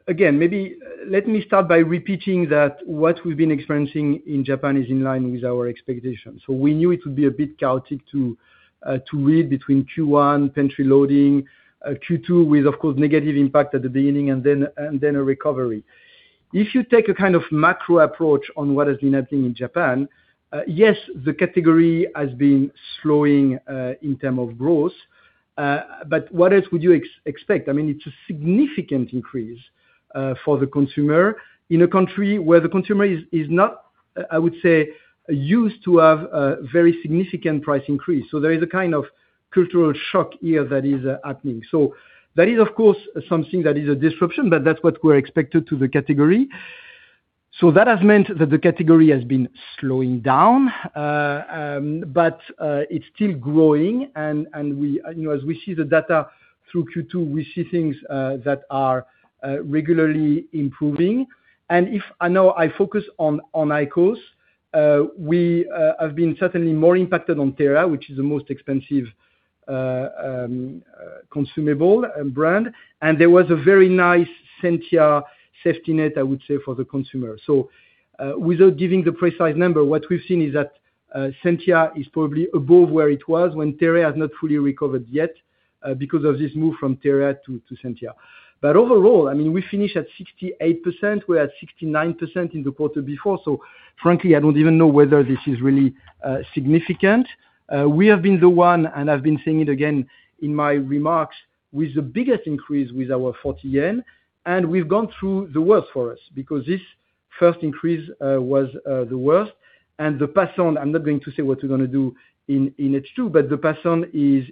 Again, maybe let me start by repeating that what we've been experiencing in Japan is in line with our expectations. We knew it would be a bit chaotic to read between Q1 pantry loading, Q2 with, of course, negative impact at the beginning and then a recovery. If you take a macro approach on what has been happening in Japan, yes, the category has been slowing in term of growth. What else would you expect? It's a significant increase for the consumer in a country where the consumer is not, I would say, used to have a very significant price increase. There is a kind of cultural shock here that is happening. That is, of course, something that is a disruption, but that's what we're expected to the category. That has meant that the category has been slowing down, but it's still growing and as we see the data through Q2, we see things that are regularly improving. If now I focus on IQOS, we have been certainly more impacted on TEREA, which is the most expensive consumable brand. And there was a very nice SENTIA safety net, I would say, for the consumer. Without giving the precise number, what we've seen is that SENTIA is probably above where it was when TEREA has not fully recovered yet, because of this move from TEREA to SENTIA. Overall, we finish at 68%, we're at 69% in the quarter before. Frankly, I don't even know whether this is really significant. We have been the one, I've been saying it again in my remarks, with the biggest increase with our 40 yen. We've gone through the worst for us, because this first increase was the worst. The pass-on, I'm not going to say what we're gonna do in H2, but the pass-on is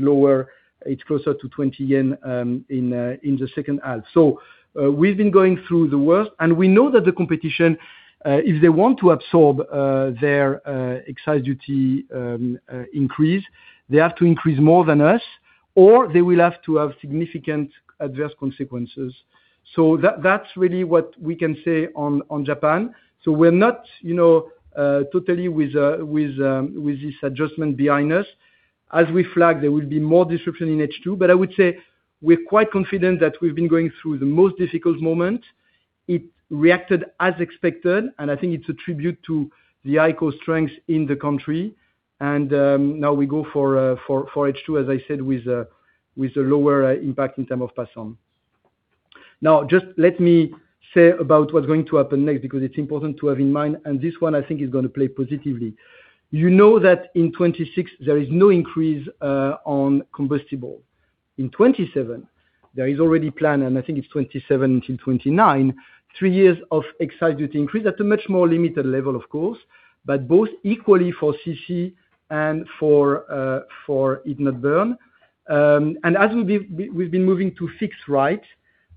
lower. It's closer to 20 yen in the second half. We've been going through the worst and we know that the competition, if they want to absorb their excise duty increase, they have to increase more than us, or they will have to have significant adverse consequences. That's really what we can say on Japan. We're not totally with this adjustment behind us. As we flag, there will be more disruption in H2. I would say we're quite confident that we've been going through the most difficult moment. It reacted as expected, I think it's a tribute to the IQOS strength in the country. Now we go for H2, as I said, with a lower impact in term of pass-on. Now, just let me say about what's going to happen next, because it's important to have in mind, this one I think is gonna play positively. You know that in 2026, there is no increase on combustible. In 2027, there is already plan, I think it's 2027 till 2029, three years of excise duty increase at a much more limited level, of course, but both equally for CC and for heat-not-burn. As we've been moving to fixed rate,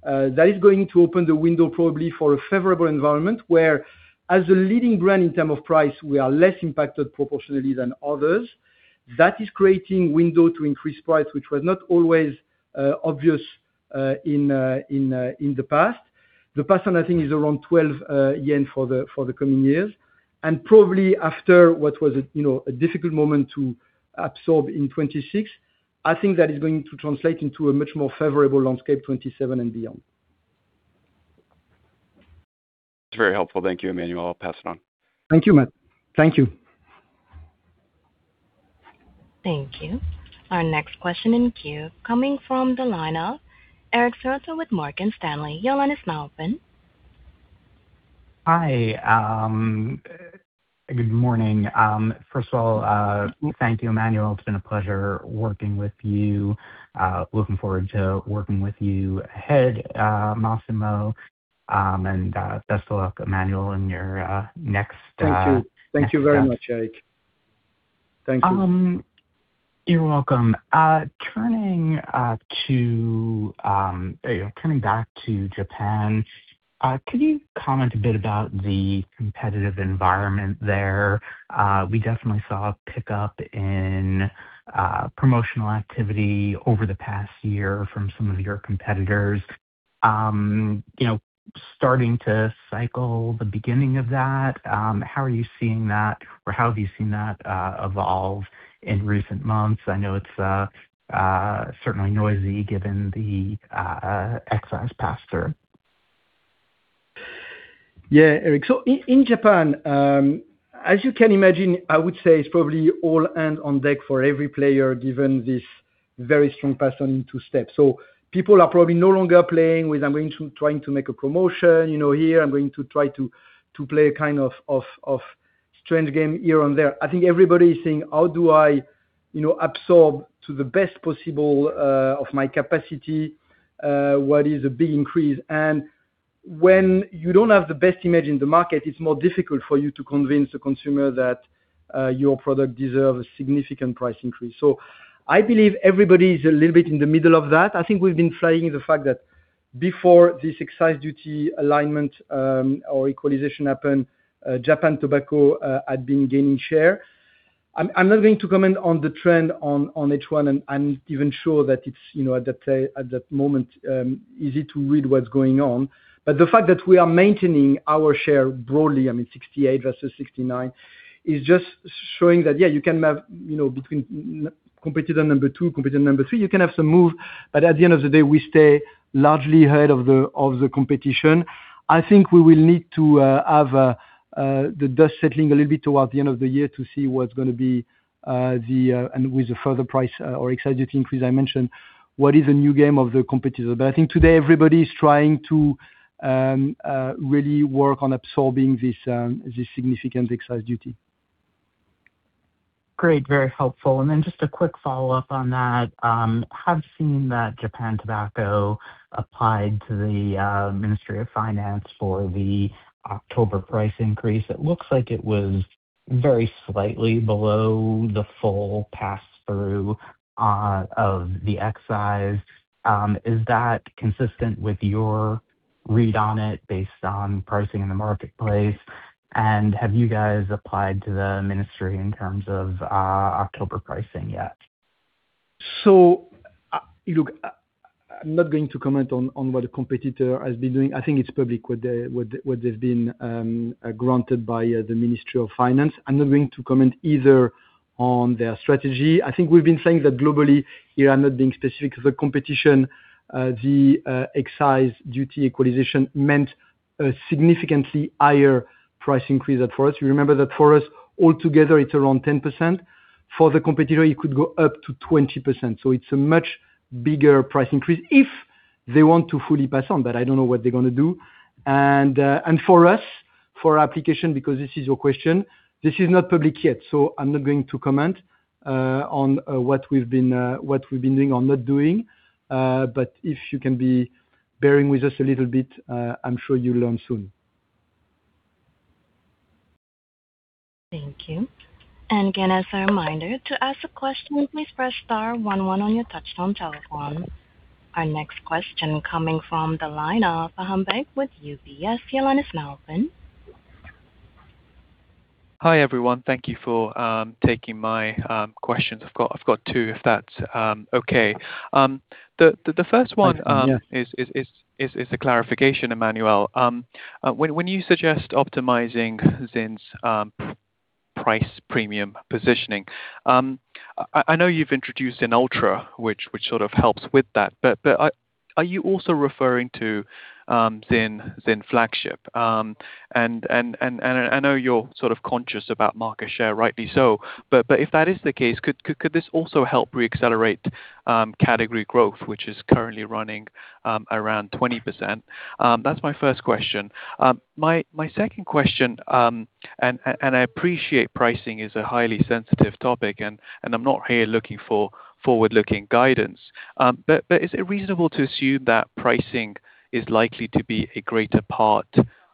that is going to open the window probably for a favorable environment where as a leading brand in term of price, we are less impacted proportionally than others. That is creating window to increase price, which was not always obvious in the past. The pass-on, I think, is around 12 yen for the coming years. Probably after what was a difficult moment to absorb in 2026, I think that is going to translate into a much more favorable landscape 2027 and beyond. That's very helpful. Thank you, Emmanuel. I'll pass it on. Thank you, Matt. Thank you. Thank you. Our next question in queue, coming from the line of Eric Serotta with Morgan Stanley. Your line is now open. Hi. Good morning. First of all, thank you, Emmanuel. It's been a pleasure working with you. Looking forward to working with you ahead, Massimo. Best of luck, Emmanuel. Thank you. Thank you very much, Eric. Thank you. You're welcome. Turning back to Japan, could you comment a bit about the competitive environment there? We definitely saw a pickup in promotional activity over the past year from some of your competitors. Starting to cycle the beginning of that, how are you seeing that, or how have you seen that evolve in recent months? I know it's certainly noisy given the excise pass-through. Yeah, Eric. In Japan, as you can imagine, I would say it's probably all hands on deck for every player, given this very strong pass-on in two steps. People are probably no longer playing with, I'm going to trying to make a promotion here. I'm going to try to play a kind of strange game here and there. I think everybody is saying, "How do I absorb to the best possible of my capacity what is a big increase?" When you don't have the best image in the market, it's more difficult for you to convince the consumer that your product deserves a significant price increase. I believe everybody is a little bit in the middle of that. I think we've been flagging the fact that before this excise duty alignment or equalization happened, Japan Tobacco had been gaining share. I'm not going to comment on the trend on H1, and I'm not even sure that it's, at that moment, easy to read what's going on. The fact that we are maintaining our share broadly, I mean, 68 versus 69, is just showing that, yeah, you can have between competitor number two, competitor number three, you can have some move, but at the end of the day, we stay largely ahead of the competition. I think we will need to have the dust settling a little bit towards the end of the year to see what's gonna be the And with the further price or excise duty increase I mentioned, what is the new game of the competitor. I think today everybody is trying to really work on absorbing this significant excise duty. Great, very helpful. Just a quick follow-up on that. Have seen that Japan Tobacco applied to the Ministry of Finance for the October price increase. It looks like it was very slightly below the full pass-through of the excise. Is that consistent with your read on it based on pricing in the marketplace? Have you guys applied to the Ministry in terms of October pricing yet? Look, I'm not going to comment on what a competitor has been doing. I think it's public what they've been granted by the Ministry of Finance. I'm not going to comment either on their strategy. I think we've been saying that globally, here I'm not being specific to the competition, the excise duty equalization meant a significantly higher price increase than for us. Remember that for us, altogether, it's around 10%. For the competitor, it could go up to 20%. It's a much bigger price increase if they want to fully pass on, but I don't know what they're going to do. For us, for our application, because this is your question, this is not public yet, I'm not going to comment on what we've been doing or not doing. If you can be bearing with us a little bit, I'm sure you'll learn soon. Thank you. Again, as a reminder, to ask a question, please press star one one on your touchtone telephone. Our next question coming from the line of Faham Baig with UBS. Your line is now open. Hi, everyone. Thank you for taking my questions. I've got two, if that's okay. The first one is a clarification, Emmanuel. When you suggest optimizing ZYN's price premium positioning, I know you've introduced ZYN Ultra, which sort of helps with that, but are you also referring to ZYN Flagship? I know you're sort of conscious about market share, rightly so, but if that is the case, could this also help re-accelerate category growth, which is currently running around 20%? That's my first question. My second question, I appreciate pricing is a highly sensitive topic, and I'm not here looking for forward-looking guidance. Is it reasonable to assume that pricing is likely to be a greater part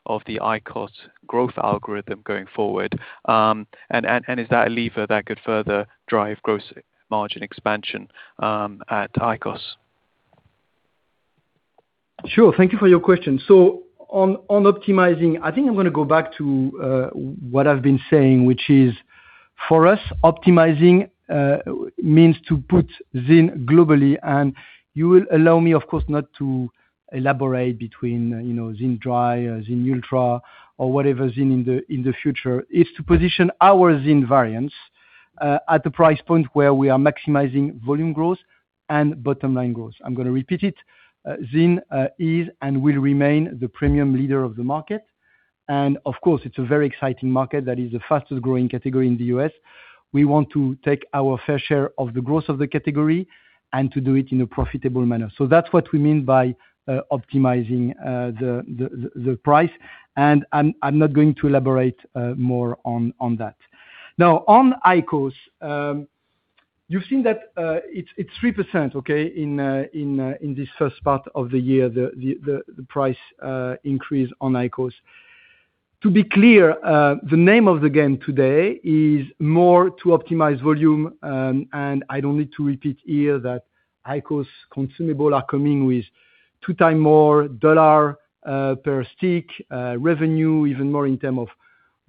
of the IQOS growth algorithm going forward? Is that a lever that could further drive gross margin expansion at IQOS? Sure. Thank you for your question. On optimizing, I think I'm gonna go back to what I've been saying, which is for us, optimizing means to put ZYN globally, and you will allow me, of course, not to elaborate between ZYN Dry, ZYN Ultra or whatever ZYN in the future, is to position our ZYN variants at the price point where we are maximizing volume growth and bottom line growth. I'm gonna repeat it. ZYN is and will remain the premium leader of the market, and of course, it's a very exciting market that is the fastest-growing category in the U.S. We want to take our fair share of the growth of the category and to do it in a profitable manner. That's what we mean by optimizing the price, and I'm not going to elaborate more on that. Now, on IQOS. You've seen that it's 3%, okay, in this first part of the year, the price increase on IQOS. To be clear, the name of the game today is more to optimize volume, and I don't need to repeat here that IQOS consumable are coming with two times more $ per stick revenue, even more in terms of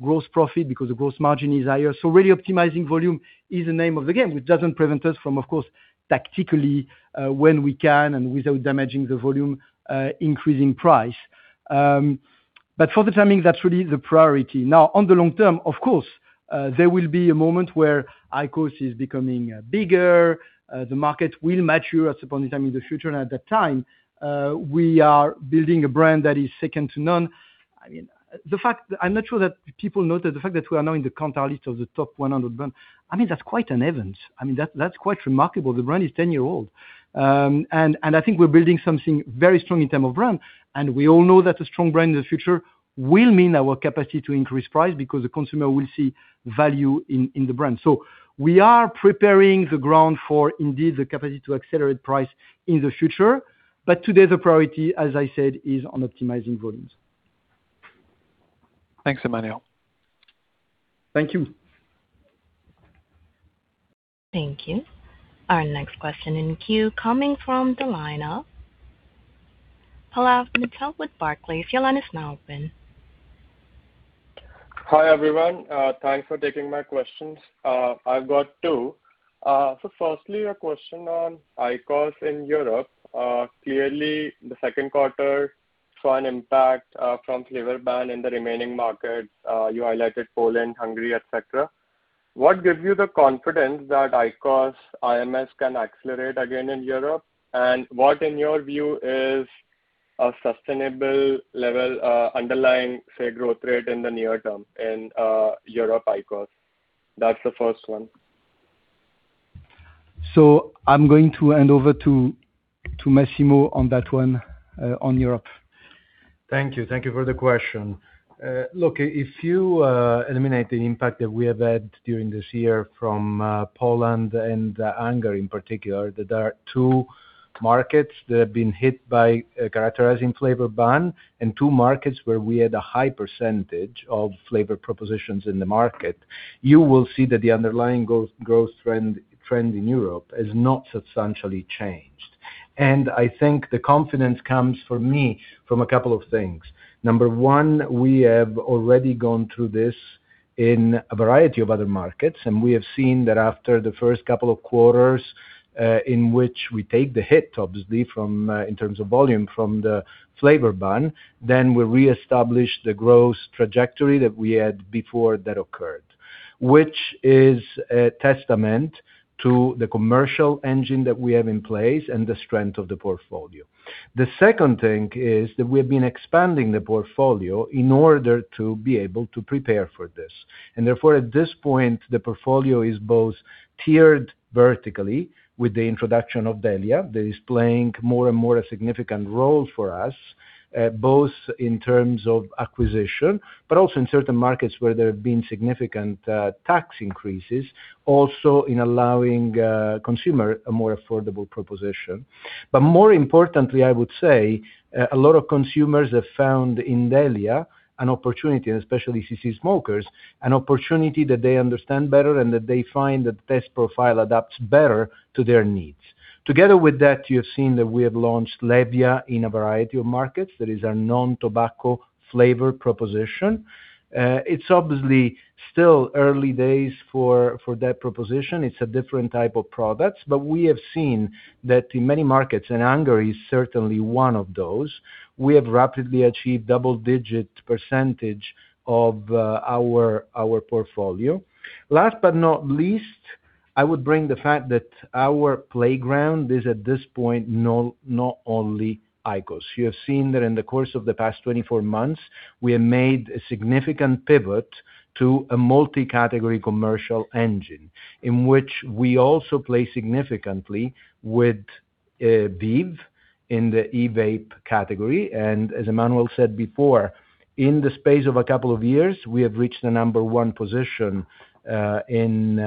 gross profit because the gross margin is higher. Really optimizing volume is the name of the game, which doesn't prevent us from, of course, tactically, when we can and without damaging the volume, increasing price. For the timing, that's really the priority. On the long term, of course, there will be a moment where IQOS is becoming bigger. The market will mature at some point in time in the future, and at that time, we are building a brand that is second to none. I'm not sure that people know that the fact that we are now in the Kantar list of the top 100 brands, that's quite an event. That's quite remarkable. The brand is 10 years old. I think we're building something very strong in terms of brand, and we all know that a strong brand in the future will mean our capacity to increase price because the consumer will see value in the brand. We are preparing the ground for indeed the capacity to accelerate price in the future. Today, the priority, as I said, is on optimizing volumes. Thanks, Emmanuel. Thank you. Thank you. Our next question in queue coming from the line of Pallav Mittal with Barclays. Your line is now open. Hi, everyone. Thanks for taking my questions. I've got two. Firstly, a question on IQOS in Europe. Clearly, the second quarter saw an impact from flavor ban in the remaining markets. You highlighted Poland, Hungary, et cetera. What gives you the confidence that IQOS IMS can accelerate again in Europe? And what, in your view, is a sustainable level underlying, say, growth rate in the near term in Europe IQOS? That's the first one. I'm going to hand over to Massimo on that one, on Europe. Thank you. Thank you for the question. Look, if you eliminate the impact that we have had during this year from Poland and Hungary in particular, that there are two markets that have been hit by a characterizing flavor ban and two markets where we had a high percentage of flavor propositions in the market, you will see that the underlying growth trend in Europe has not substantially changed. I think the confidence comes for me from a couple of things. Number one, we have already gone through this in a variety of other markets. We have seen that after the first couple of quarters, in which we take the hit, obviously, in terms of volume from the flavor ban. Then we reestablish the growth trajectory that we had before that occurred, which is a testament to the commercial engine that we have in place and the strength of the portfolio. The second thing is that we have been expanding the portfolio in order to be able to prepare for this. Therefore, at this point, the portfolio is both tiered vertically with the introduction of DELIA. That is playing more and more a significant role for us, both in terms of acquisition, but also in certain markets where there have been significant tax increases, also in allowing consumer a more affordable proposition. More importantly, I would say, a lot of consumers have found in DELIA an opportunity, and especially CC smokers, an opportunity that they understand better and that they find that the taste profile adapts better to their needs. Together with that, you have seen that we have launched LEVIA in a variety of markets. That is our non-tobacco flavor proposition. It's obviously still early days for that proposition. It's a different type of product, but we have seen that in many markets, and Hungary is certainly one of those, we have rapidly achieved double-digit percentage of our portfolio. Last but not least, I would bring the fact that our playground is, at this point, not only IQOS. You have seen that in the course of the past 24 months, we have made a significant pivot to a multi-category commercial engine in which we also play significantly with VEEV in the e-vape category. As Emmanuel said before, in the space of a couple of years, we have reached the number one position in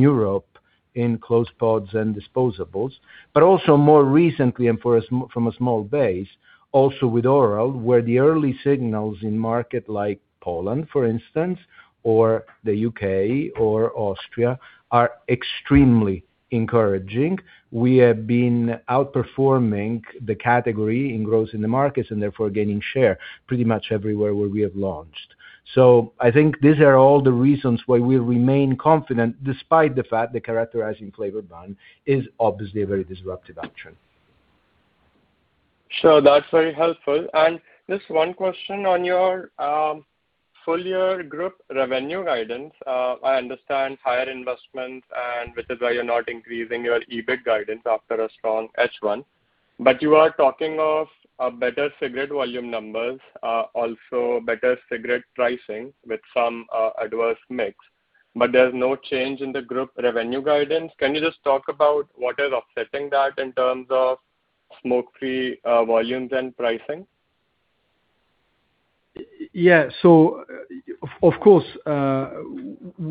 Europe in closed pods and disposables. Also more recently and from a small base, also with oral, where the early signals in market like Poland, for instance, or the U.K. or Austria, are extremely encouraging. We have been outperforming the category in growth in the markets and therefore gaining share pretty much everywhere where we have launched. I think these are all the reasons why we remain confident despite the fact the characterizing flavor ban is obviously a very disruptive action. Sure. That's very helpful. Just one question on your full-year group revenue guidance. I understand higher investments, and which is why you're not increasing your EBIT guidance after a strong H1. You are talking of a better cigarette volume numbers, also better cigarette pricing with some adverse mix. There's no change in the group revenue guidance. Can you just talk about what is offsetting that in terms of smoke-free volumes and pricing? Yeah. Of course,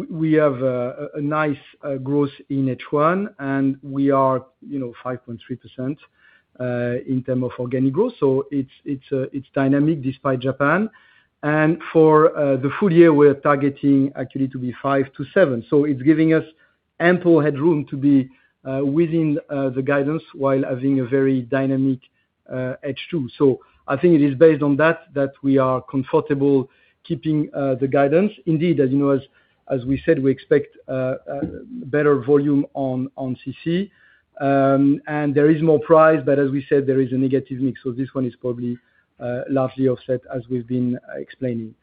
we have a nice growth in H1 and we are 5.3% in terms of organic growth, so it's dynamic despite Japan. For the full year, we're targeting actually to be 5% to 7%. It's giving us ample headroom to be within the guidance while having a very dynamic H2. I think it is based on that we are comfortable keeping the guidance. Indeed, as we said, we expect better volume on CC. There is more price, but as we said, there is a negative mix. This one is probably largely offset as we've been explaining.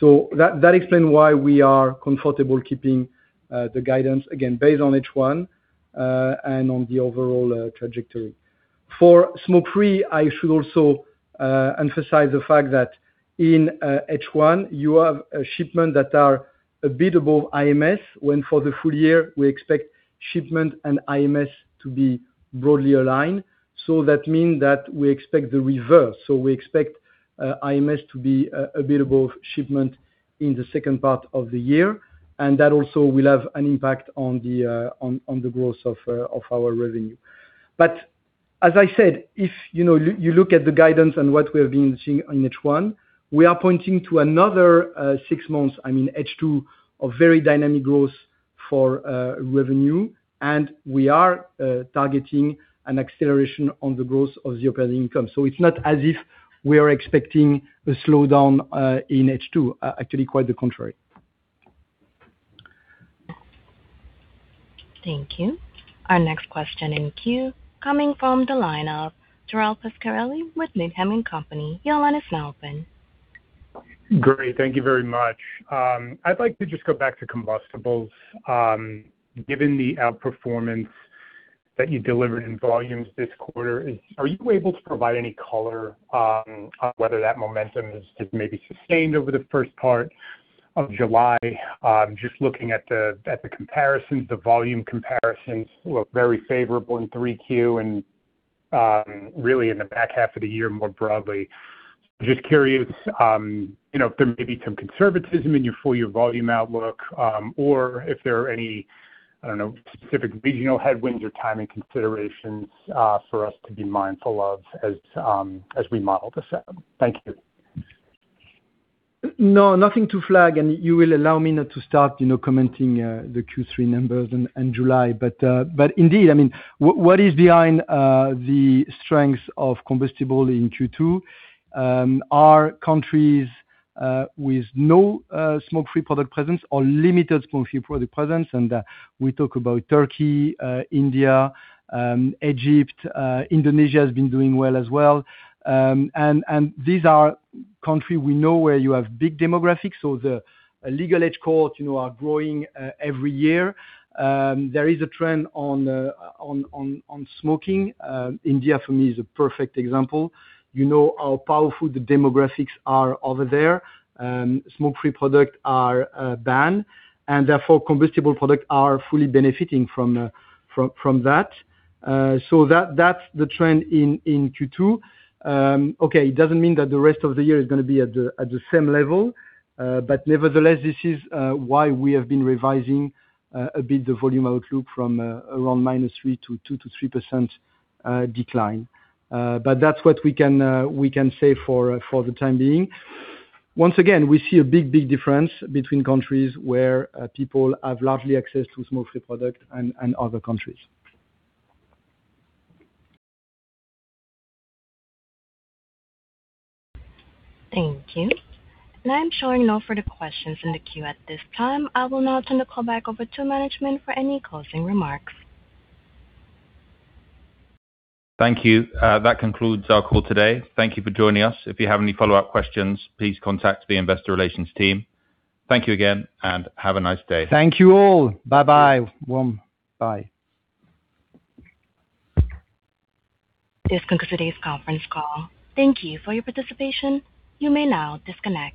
That explains why we are comfortable keeping the guidance, again, based on H1, and on the overall trajectory. For Smoke-Free, I should also emphasize the fact that in H1, you have a shipment that is a bit above IMS, when for the full year, we expect shipment and IMS to be broadly aligned. That means that we expect the reverse. We expect IMS to be a bit above shipment in the second part of the year, and that also will have an impact on the growth of our revenue. As I said, if you look at the guidance and what we have been seeing in H1, we are pointing to another six months, I mean H2, of very dynamic growth for revenue, and we are targeting an acceleration on the growth of the operating income. It's not as if we are expecting a slowdown in H2. Actually, quite the contrary. Thank you. Our next question in queue coming from the line of Gerald Pascarelli with Needham & Company. Your line is now open. Great. Thank you very much. I'd like to just go back to combustibles. Given the outperformance that you delivered in volumes this quarter, are you able to provide any color on whether that momentum has maybe sustained over the first part of July. Just looking at the comparisons, the volume comparisons look very favorable in 3Q, and really in the back half of the year, more broadly. Just curious, if there may be some conservatism in your full year volume outlook, or if there are any, I don't know, specific regional headwinds or timing considerations for us to be mindful of as we model this out. Thank you. No, nothing to flag. You will allow me not to start commenting the Q3 numbers and July. Indeed, what is behind the strength of combustible in Q2 are countries with no smoke-free product presence or limited smoke-free product presence. We talk about Turkey, India, Egypt. Indonesia has been doing well as well. These are countries we know where you have big demographics. The legal age cohort are growing every year. There is a trend on smoking. India, for me, is a perfect example. You know how powerful the demographics are over there. Smoke-free product are banned, and therefore, combustible products are fully benefiting from that. That's the trend in Q2. Okay, it doesn't mean that the rest of the year is going to be at the same level. Nevertheless, this is why we have been revising a bit the volume outlook from around minus 3% to 2%-3% decline. That's what we can say for the time being. Once again, we see a big, big difference between countries where people have largely access to smoke-free product and other countries. Thank you. I'm showing no further questions in the queue at this time. I will now turn the call back over to management for any closing remarks. Thank you. That concludes our call today. Thank you for joining us. If you have any follow-up questions, please contact the Investor Relations team. Thank you again, and have a nice day. Thank you all. Bye-bye. Bye. This concludes today's conference call. Thank you for your participation. You may now disconnect.